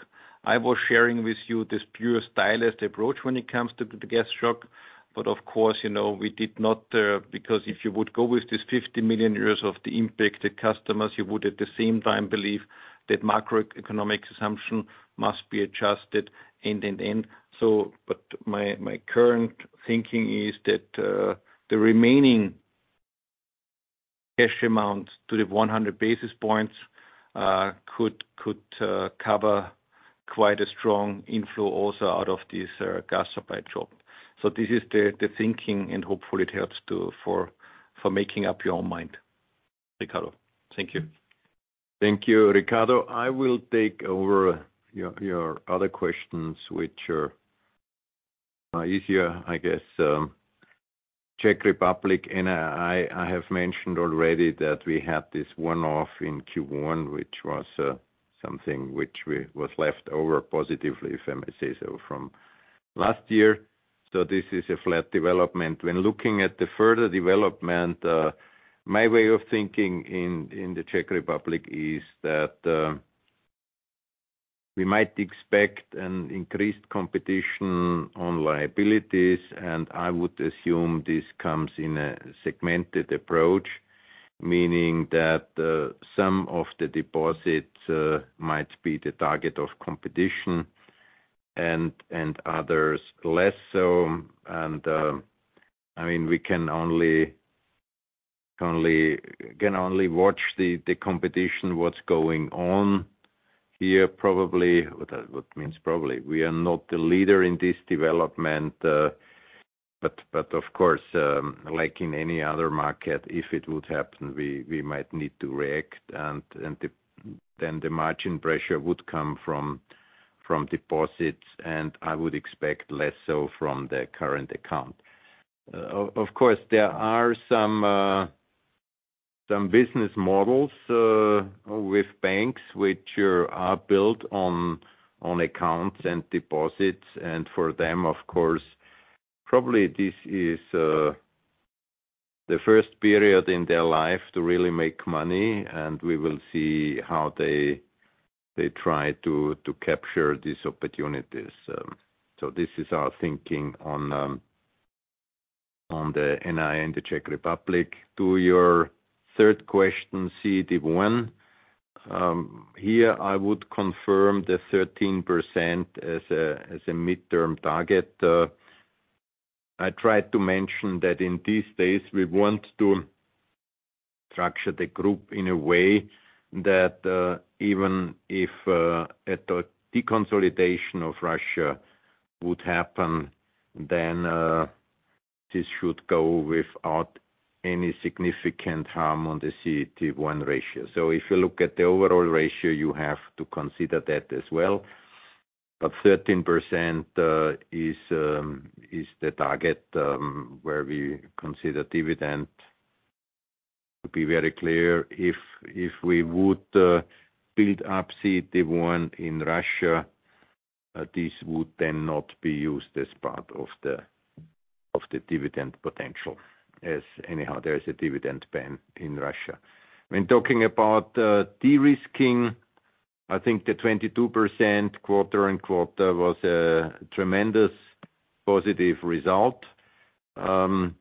I was sharing with you this purely stylistic approach when it comes to the gas shock, but of course, you know, we did not, because if you would go with this 50 million euros of the impacted customers, you would at the same time believe that macroeconomic assumption must be adjusted end to end. My current thinking is that the remaining cash amount to the 100 basis points could cover quite a strong inflow also out of this gas supply shock. This is the thinking, and hopefully it helps to for making up your own mind. Riccardo, thank you. Thank you, Riccardo. I will take over your other questions, which are easier, I guess. Czech Republic, I have mentioned already that we had this one-off in Q1, which was something which was left over positively, if I may say so, from last year. This is a flat development. When looking at the further development, my way of thinking in the Czech Republic is that we might expect an increased competition on liabilities, and I would assume this comes in a segmented approach, meaning that some of the deposits might be the target of competition and others less so. I mean, we can only watch the competition, what's going on here, probably. What means probably? We are not the leader in this development, but of course, like in any other market, if it would happen, we might need to react and then the margin pressure would come from deposits, and I would expect less so from the current account. Of course, there are some business models with banks which are built on accounts and deposits. For them, of course, probably this is the first period in their life to really make money, and we will see how they try to capture these opportunities. So this is our thinking on the NII and the Czech Republic. To your third question, CET1. Here I would confirm the 13% as a midterm target. I tried to mention that in these days we want to structure the group in a way that even if a de-consolidation of Russia would happen, then this should go without any significant harm on the CET1 ratio. If you look at the overall ratio, you have to consider that as well. 13% is the target where we consider dividend. To be very clear, if we would build up CET1 in Russia, this would then not be used as part of the dividend potential, as anyhow there is a dividend ban in Russia. When talking about de-risking, I think the 22% quarter-over-quarter was a tremendous positive result. I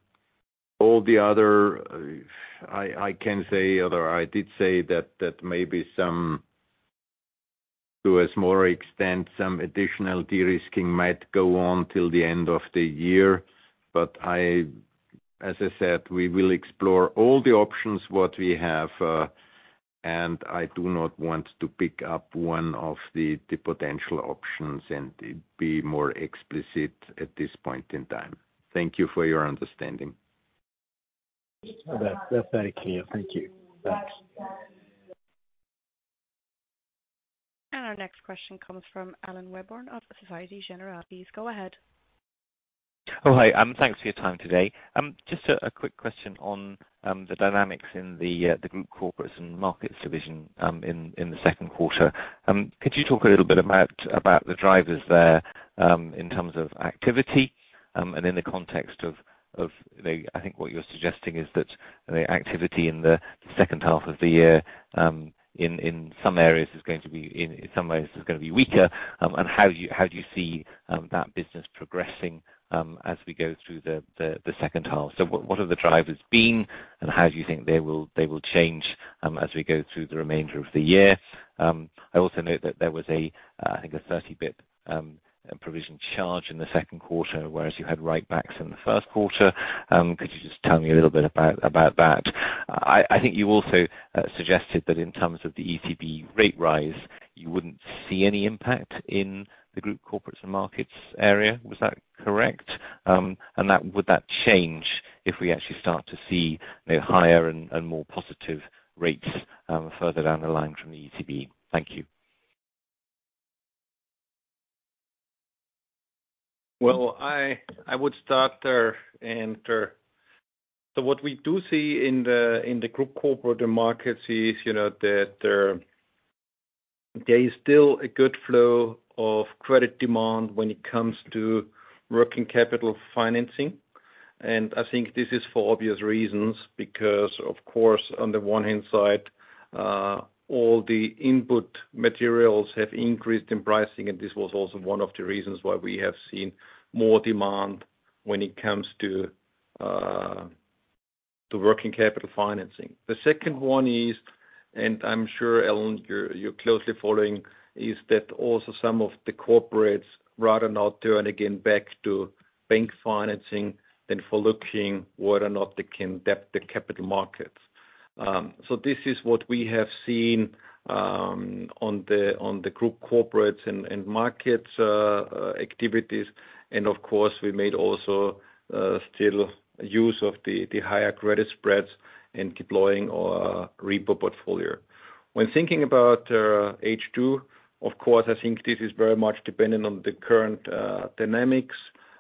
can say I did say that maybe some to a small extent some additional de-risking might go on till the end of the year. As I said, we will explore all the options what we have, and I do not want to pick up one of the potential options and it be more explicit at this point in time. Thank you for your understanding. That, that's very clear. Thank you. Thanks. Our next question comes from Alan Webborn of Société Générale. Please go ahead. Oh, hi. Thanks for your time today. Just a quick question on the dynamics in the Group Corporates & Markets division in the second quarter. Could you talk a little bit about the drivers there in terms of activity, and in the context of, I think what you're suggesting is that the activity in the second half of the year in some areas is going to be weaker in some ways. How do you see that business progressing as we go through the second half? What have the drivers been, and how do you think they will change as we go through the remainder of the year? I also note that there was, I think, a 30 bps provision charge in the second quarter, whereas you had write-backs in the first quarter. Could you just tell me a little bit about that? I think you also suggested that in terms of the ECB rate rise, you wouldn't see any impact in the Group Corporates & Markets area. Was that correct? Would that change if we actually start to see the higher and more positive rates further down the line from the ECB? Thank you. Well, I would start there. So what we do see in the Group Corporates & Markets is, you know, that there is still a good flow of credit demand when it comes to working capital financing. I think this is for obvious reasons, because of course, on the one hand side, all the input materials have increased in pricing and this was also one of the reasons why we have seen more demand when it comes to working capital financing. The second one is, and I'm sure, Alan, you're closely following, is that also some of the corporates rather not turn again back to bank financing than for looking whether or not they can tap the capital markets. So this is what we have seen, on the Group Corporates & Markets activities. Of course, we made also still use of the higher credit spreads in deploying our repo portfolio. When thinking about H2, of course, I think this is very much dependent on the current dynamics.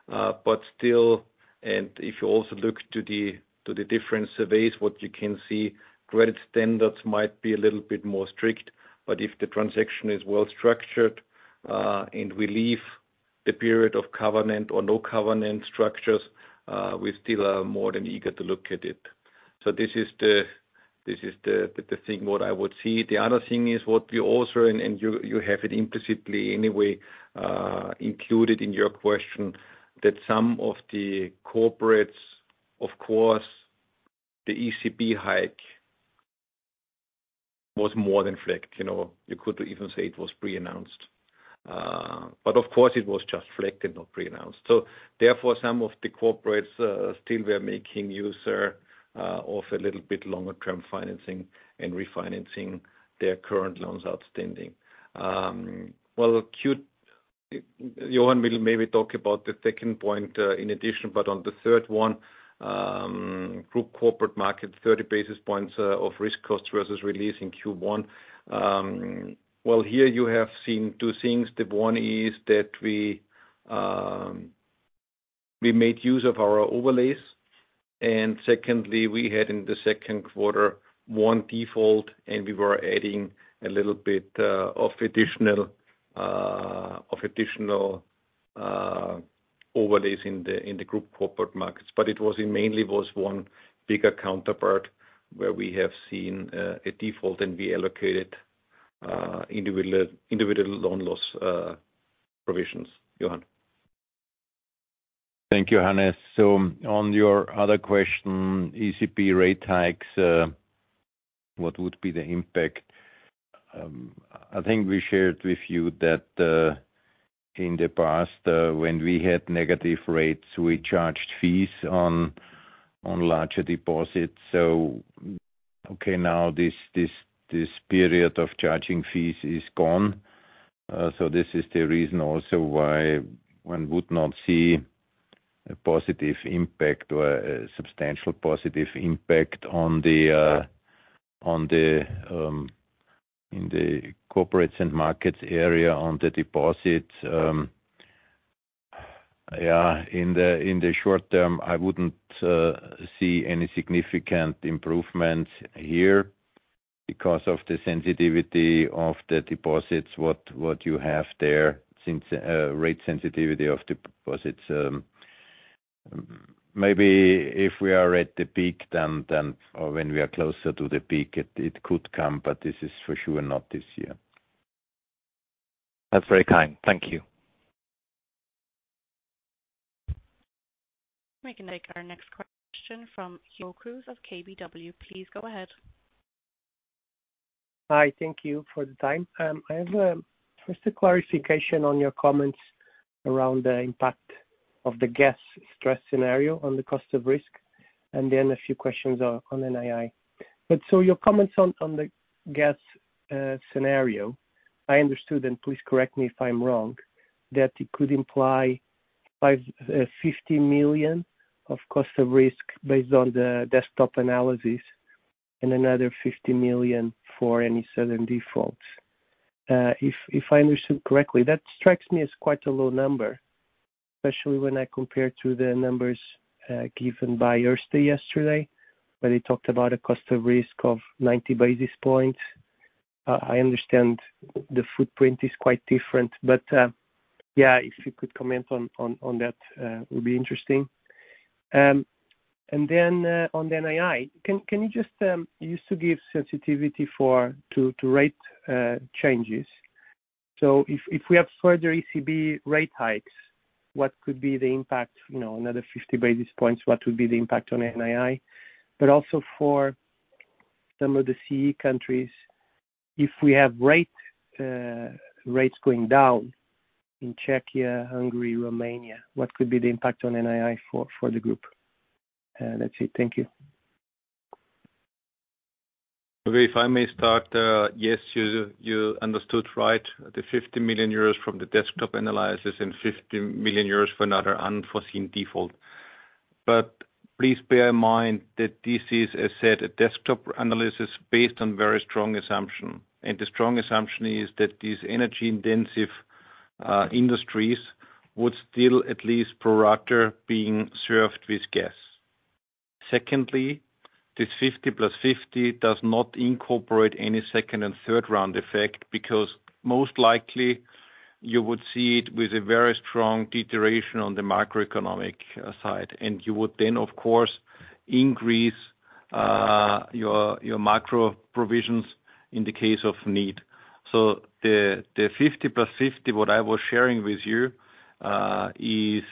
But still, if you also look to the different surveys, what you can see, credit standards might be a little bit more strict. But if the transaction is well structured, and we leave the period of covenant or no covenant structures, we still are more than eager to look at it. This is the thing what I would see. The other thing is what we also and you have it implicitly anyway included in your question, that some of the corporates, of course, the ECB hike was more than felt. You know, you could even say it was pre-announced. But of course it was just leaked and not pre-announced. Therefore, some of the corporates still were making use of a little bit longer-term financing and refinancing their current loans outstanding. Well, Johann will maybe talk about the second point in addition, but on the third one, Group Corporates & Markets, 30 basis points of risk cost versus release in Q1. Well, here you have seen two things. The one is that we made use of our overlays, and secondly, we had in the second quarter one default, and we were adding a little bit of additional overlays in the Group Corporates & Markets. It was mainly one bigger counterparty where we have seen a default and we allocated individual loan loss provisions. Johann. Thank you, Hannes. On your other question, ECB rate hikes, what would be the impact? I think we shared with you that, in the past, when we had negative rates, we charged fees on larger deposits. Okay, now this period of charging fees is gone. This is the reason also why one would not see a positive impact or a substantial positive impact in the Corporates & Markets area on the deposits. Yeah, in the short term, I wouldn't see any significant improvement here because of the sensitivity of the deposits, what you have there since rate sensitivity of deposits. Maybe if we are at the peak then or when we are closer to the peak, it could come, but this is for sure not this year. That's very kind. Thank you. We can take our next question from Hugo Cruz of KBW. Please go ahead. Hi. Thank you for the time. I have first a clarification on your comments around the impact of the gas stress scenario on the cost of risk, and then a few questions on NII. Your comments on the gas scenario, I understood, and please correct me if I'm wrong, that it could imply 50 million of cost of risk based on the desktop analysis. And another 50 million for any sudden defaults. If I understood correctly, that strikes me as quite a low number, especially when I compare to the numbers given by Erste yesterday, where they talked about a cost of risk of 90 basis points. I understand the footprint is quite different, but yeah, if you could comment on that, it would be interesting. On the NII, can you just used to give sensitivity to rate changes? If we have further ECB rate hikes, what could be the impact, you know, another 50 basis points, what would be the impact on NII? Also for some of the CEE countries, if we have rates going down in Czechia, Hungary, Romania, what could be the impact on NII for the group? That's it. Thank you. Okay, if I may start, yes, you understood right, the 50 million euros from the desktop analysis and 50 million euros for another unforeseen default. Please bear in mind that this is, as said, a desktop analysis based on very strong assumption. The strong assumption is that these energy-intensive industries would still at least per sector being served with gas. Secondly, this 50 plus 50 does not incorporate any second and third round effect because most likely you would see it with a very strong deterioration on the macroeconomic side. You would then of course increase your macro provisions in the case of need. The 50 plus 50, what I was sharing with you, is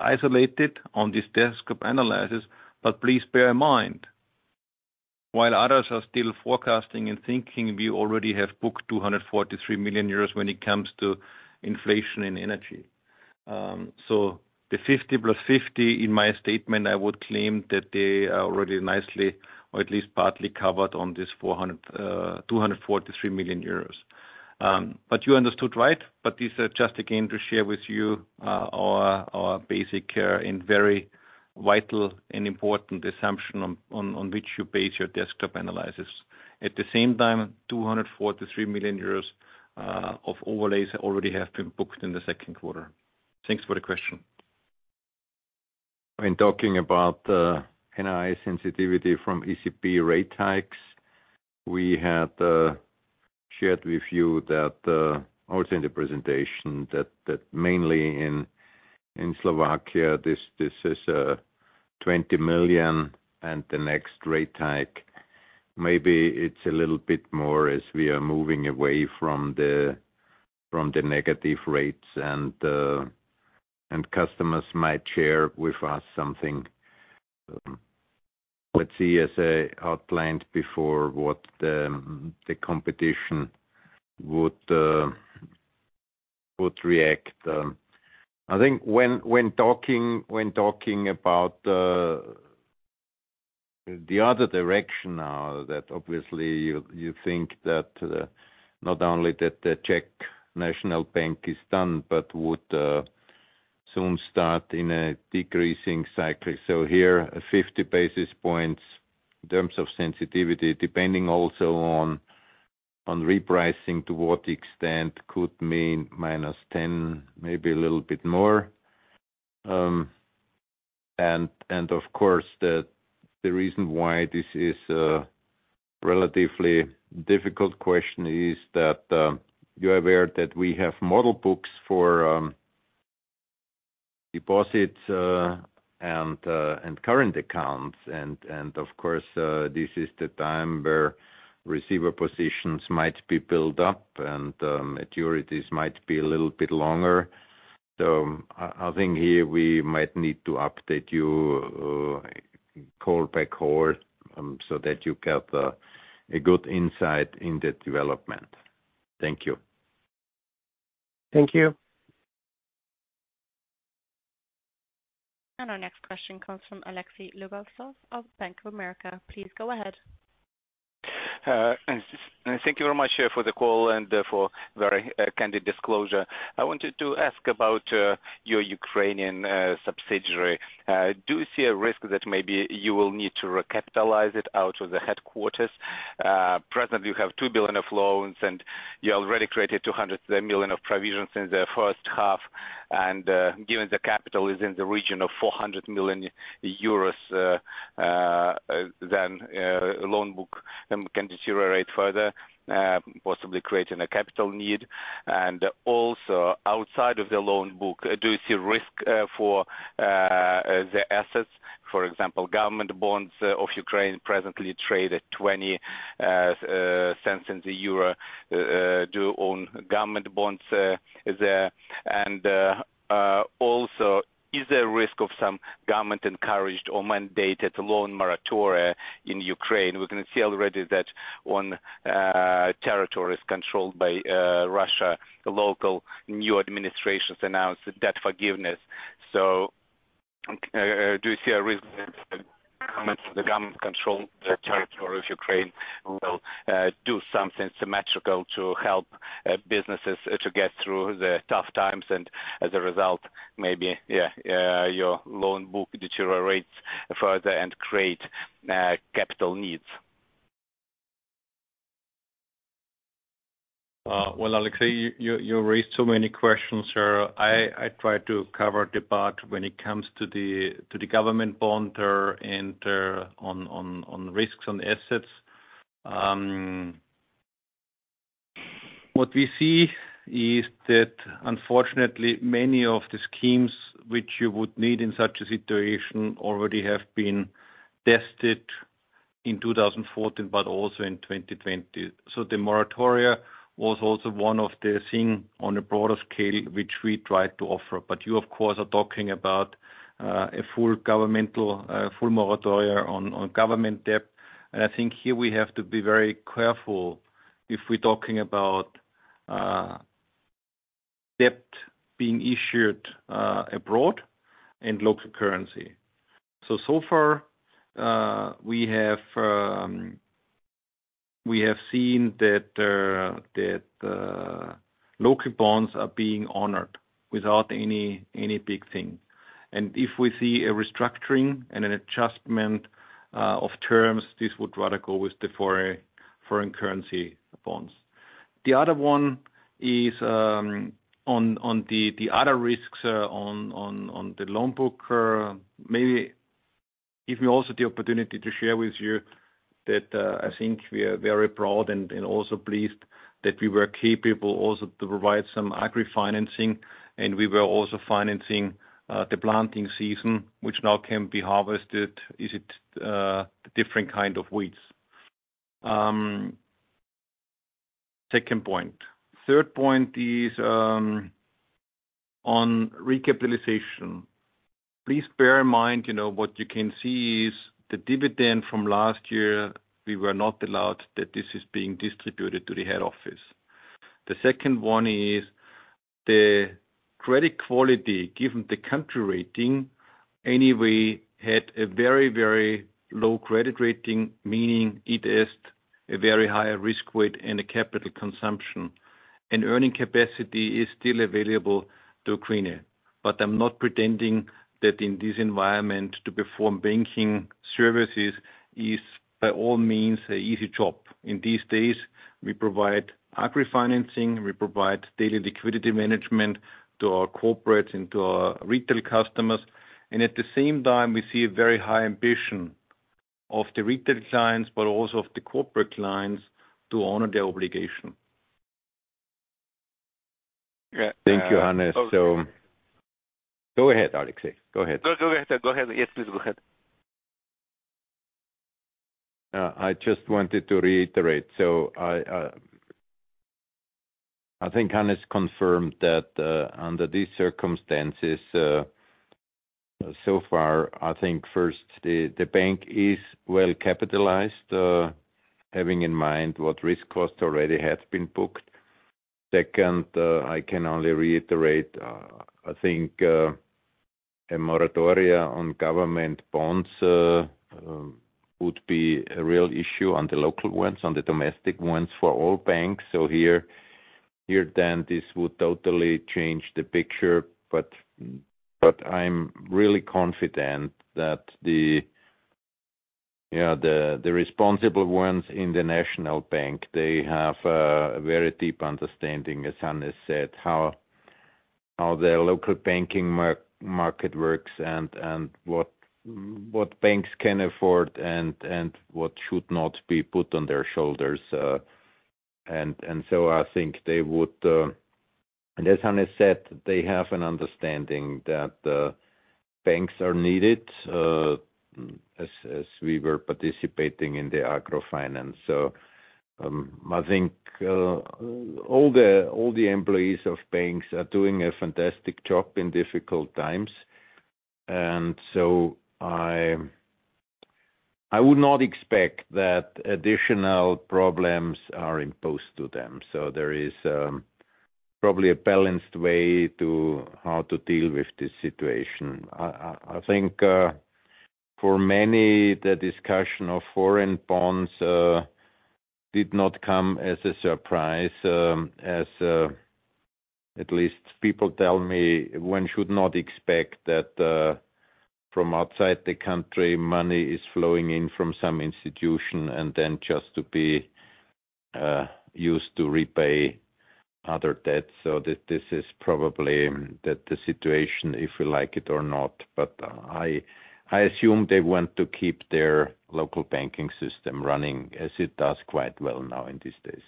isolated on this desktop analysis. Please bear in mind, while others are still forecasting and thinking, we already have booked 243 million euros when it comes to inflation and energy. So the 50 + 50 in my statement, I would claim that they are already nicely or at least partly covered on this four hundred, two hundred forty-three million euros. You understood right, this is just again to share with you, our basic, and very vital and important assumption on which you base your desktop analysis. At the same time, 243 million euros of overlays already have been booked in the second quarter. Thanks for the question. In talking about NII sensitivity from ECB rate hikes, we had shared with you that also in the presentation that mainly in Slovakia this is 20 million and the next rate hike maybe it's a little bit more as we are moving away from the negative rates and customers might share with us something with CSA outlined before what the competition would react. I think when talking about the other direction now that obviously you think that not only that the Czech National Bank is done but would soon start in a decreasing cycle. Here 50 basis points in terms of sensitivity depending also on repricing to what extent could mean minus 10 million maybe a little bit more. Of course the reason why this is a relatively difficult question is that you're aware that we have model books for deposits and current accounts. Of course, this is the time where receiver positions might be built up and maturities might be a little bit longer. I think here we might need to update you, call back hold, so that you get a good insight in the development. Thank you. Thank you. Our next question comes from Alexei Jiltsov of Bank of America. Please go ahead. Thank you very much for the call and for very candid disclosure. I wanted to ask about your Ukrainian subsidiary. Do you see a risk that maybe you will need to recapitalize it out of the headquarters? Presently you have 2 billion of loans, and you already created 200 million of provisions in the first half. Given the capital is in the region of 400 million euros, the loan book can deteriorate further, possibly creating a capital need. Also outside of the loan book, do you see risk for the assets? For example, government bonds of Ukraine presently trade at 20 cents on the euro due on government bonds there. Also, is there a risk of some government-encouraged or mandated loan moratoria in Ukraine? We can see already that on territories controlled by Russia, the local new administrations announced debt forgiveness. Do you see a risk that the government control the territory of Ukraine will do something symmetrical to help businesses to get through the tough times and as a result, maybe, yeah, your loan book deteriorates further and create capital needs? Well, Alexey, you raised so many questions. I try to cover the part when it comes to the government bond and on risks on assets. What we see is that unfortunately many of the schemes which you would need in such a situation already have been tested in 2014, but also in 2020. The moratoria was also one of the thing on a broader scale, which we tried to offer. You of course are talking about a full governmental full moratoria on government debt. I think here we have to be very careful if we're talking about debt being issued abroad in local currency. So far, we have seen that local bonds are being honored without any big thing. If we see a restructuring and an adjustment of terms, this would rather go with the foreign currency bonds. The other one is on the other risks on the loan book. Maybe give me also the opportunity to share with you that I think we are very proud and also pleased that we were capable also to provide some agri-financing, and we were also financing the planting season, which now can be harvested. Is it the different kind of wheats? Second point. Third point is on recapitalization. Please bear in mind, you know, what you can see is the dividend from last year. We were not allowed that this is being distributed to the head office. The second one is the credit quality. Given the country rating anyway had a very, very low credit rating, meaning it is a very high risk weight and a capital consumption. Earning capacity is still available to Ukraine. I'm not pretending that in this environment to perform banking services is by all means an easy job. In these days, we provide agri-financing, we provide daily liquidity management to our corporate and to our retail customers. At the same time we see a very high ambition of the retail clients, but also of the corporate clients to honor their obligation. Thank you, Hannes. Go ahead, Alexey. Go ahead. Go ahead. Yes, please. Go ahead. I just wanted to reiterate. I think Hannes confirmed that, under these circumstances, so far, I think first, the bank is well capitalized, having in mind what risk cost already has been booked. Second, I can only reiterate, I think, a moratoria on government bonds would be a real issue on the local ones, on the domestic ones for all banks. Here, then this would totally change the picture. I'm really confident that, you know, the responsible ones in the Oesterreichische Nationalbank, they have a very deep understanding, as Hannes said, how the local banking market works and what banks can afford and what should not be put on their shoulders. I think they would, and as Hannes said, they have an understanding that banks are needed, as we were participating in the agro finance. I think all the employees of banks are doing a fantastic job in difficult times. I would not expect that additional problems are imposed to them. There is probably a balanced way to how to deal with this situation. I think for many, the discussion of foreign bonds did not come as a surprise. As at least people tell me, one should not expect that from outside the country, money is flowing in from some institution and then just to be used to repay other debts. This is probably that the situation if you like it or not. I assume they want to keep their local banking system running as it does quite well now in these days.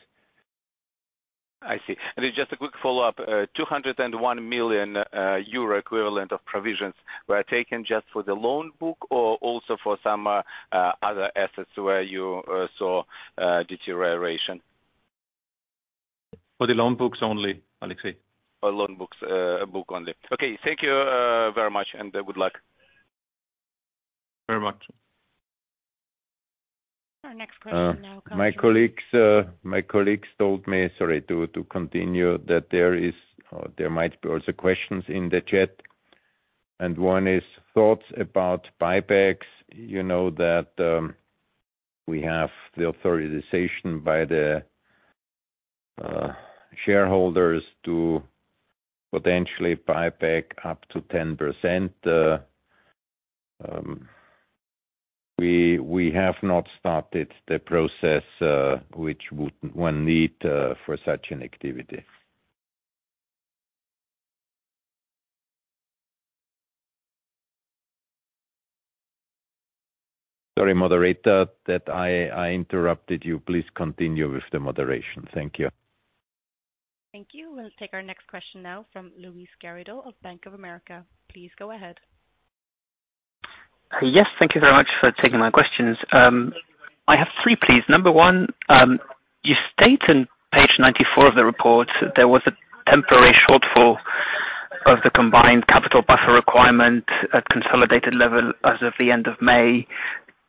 I see. Just a quick follow-up. 201 million euro equivalent of provisions were taken just for the loan book or also for some other assets where you saw deterioration? For the loan books only, Alexey. For loan books, book only. Okay. Thank you, very much and good luck. Very much. Our next question now comes from. My colleagues told me, sorry to continue, that there is or there might be also questions in the chat, and one is thoughts about buybacks. You know that we have the authorization by the shareholders to potentially buy back up to 10%. We have not started the process which one would need for such an activity. Sorry, moderator, that I interrupted you. Please continue with the moderation. Thank you. Thank you. We'll take our next question now from Luis Garrido of Bank of America. Please go ahead. Yes. Thank you very much for taking my questions. I have three, please. Number one, you state in page 94 of the report there was a temporary shortfall of the combined capital buffer requirement at consolidated level as of the end of May.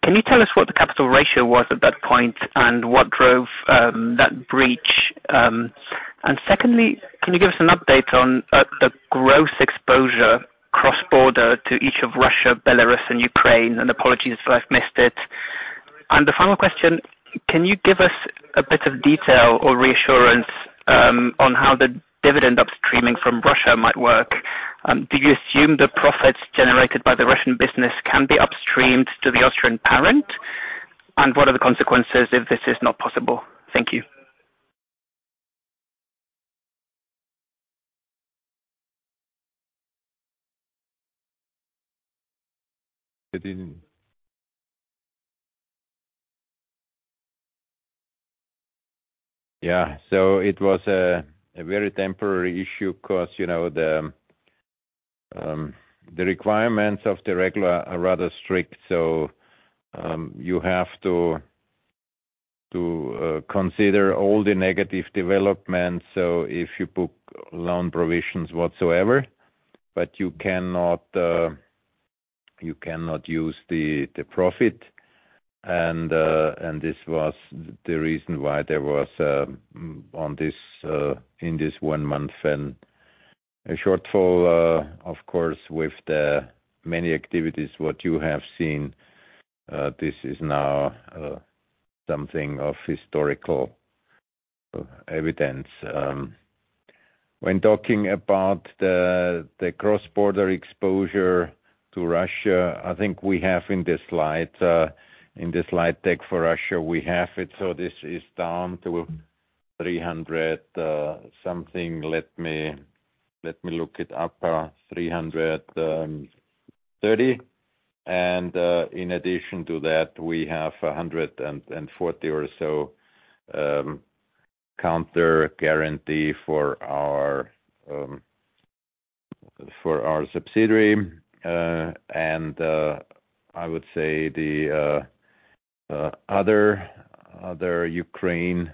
Can you tell us what the capital ratio was at that point and what drove that breach? Secondly, can you give us an update on the gross exposure cross-border to each of Russia, Belarus, and Ukraine? Apologies if I've missed it. The final question, can you give us a bit of detail or reassurance on how the dividend upstreaming from Russia might work? Do you assume the profits generated by the Russian business can be upstreamed to the Austrian parent? What are the consequences if this is not possible? Thank you. It was a very temporary issue 'cause, you know, the requirements of the regulator are rather strict. You have to consider all the negative developments. If you book loan provisions whatsoever, but you cannot use the profit. This was the reason why there was in this one month a shortfall, of course, with the many activities what you have seen. This is now something of historical evidence. When talking about the cross-border exposure to Russia, I think we have in this slide deck for Russia, we have it, so this is down to 300 something. Let me look it up. EUR 330.In addition to that, we have 140 or so counter guarantee for our subsidiary. I would say the other Ukraine.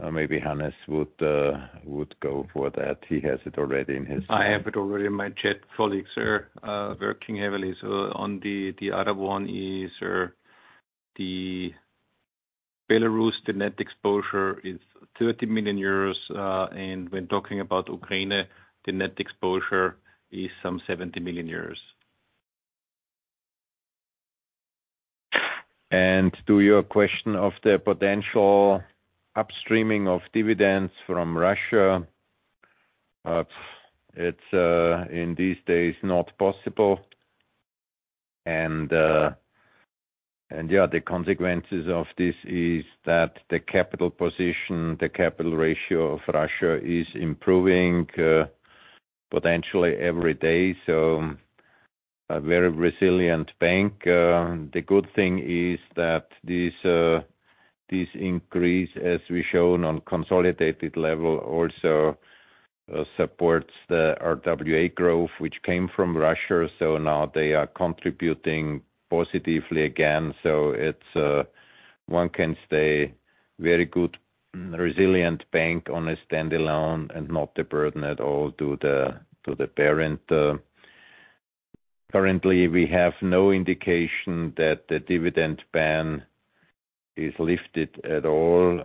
Or maybe Hannes would go for that. He has it already in his. I have it already in my chat. Colleagues are working heavily. On the other one, the Belarus net exposure is 30 million euros. When talking about Ukraine, the net exposure is some 70 million euros. To your question of the potential upstreaming of dividends from Russia, it's in these days not possible. The consequences of this is that the capital position, the capital ratio of Russia is improving potentially every day. A very resilient bank. The good thing is that this increase, as we've shown on consolidated level, also supports the RWA growth which came from Russia. Now they are contributing positively again. One can say very good resilient bank on a standalone and not a burden at all to the parent. Currently, we have no indication that the dividend ban is lifted at all.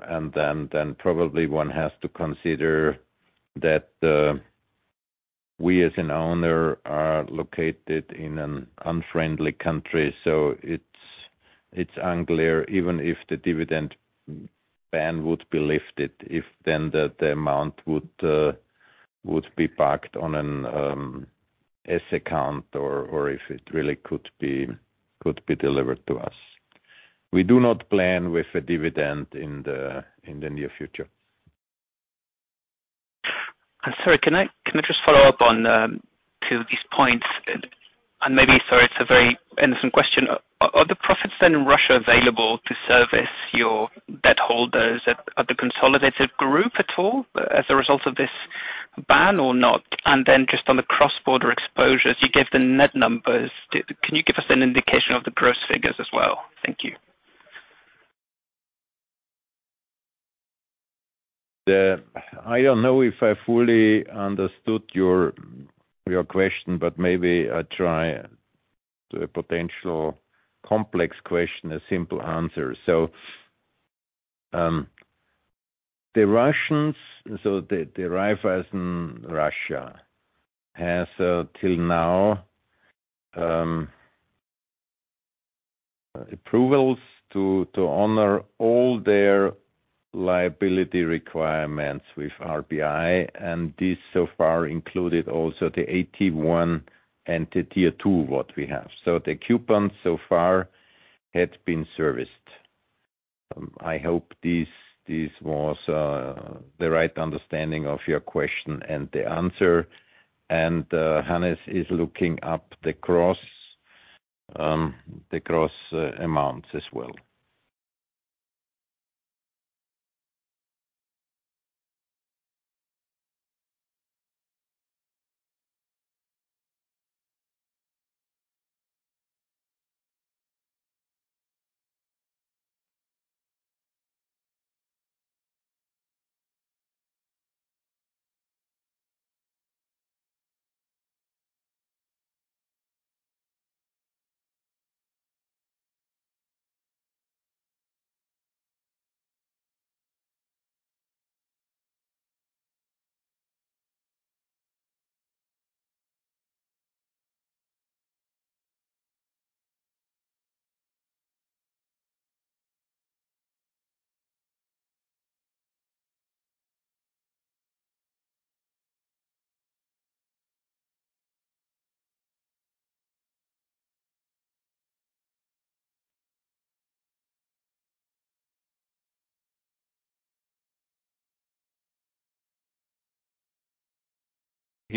Probably one has to consider that we as an owner are located in an unfriendly country. It's unclear even if the dividend ban would be lifted, if then the amount would be parked on an S account or if it really could be delivered to us. We do not plan with a dividend in the near future. Sorry, can I just follow up on two of these points? Maybe sorry, it's a very innocent question. Are the profits then in Russia available to service your debt holders at the consolidated group at all as a result of this ban or not? Then just on the cross-border exposures, you gave the net numbers. Can you give us an indication of the gross figures as well? Thank you. I don't know if I fully understood your question, but maybe I try to give a simple answer to a potentially complex question. In Russia, the Raiffeisen Russia has till now approvals to honor all their liability requirements with RBI. This so far included also the AT1 and the Tier 2 what we have. The coupons so far had been serviced. I hope this was the right understanding of your question and the answer, and Hannes is looking up the gross amounts as well.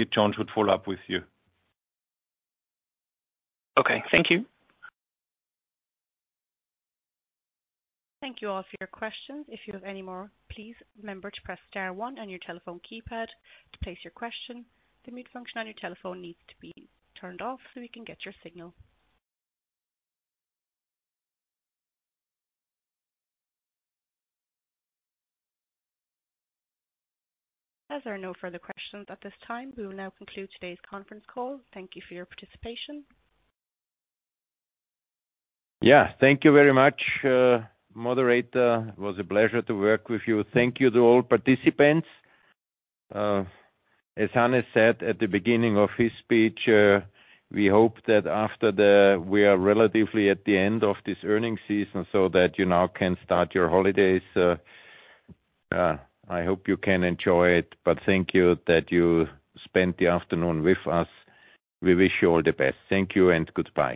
John should follow up with you. Okay. Thank you. Thank you all for your questions. If you have any more, please remember to press star one on your telephone keypad to place your question. The mute function on your telephone needs to be turned off so we can get your signal. As there are no further questions at this time, we will now conclude today's conference call. Thank you for your participation. Yeah. Thank you very much, moderator. It was a pleasure to work with you. Thank you to all participants. As Hannes said at the beginning of his speech, we hope that after we are relatively at the end of this earnings season so that you now can start your holidays. I hope you can enjoy it, but thank you that you spent the afternoon with us. We wish you all the best. Thank you and goodbye.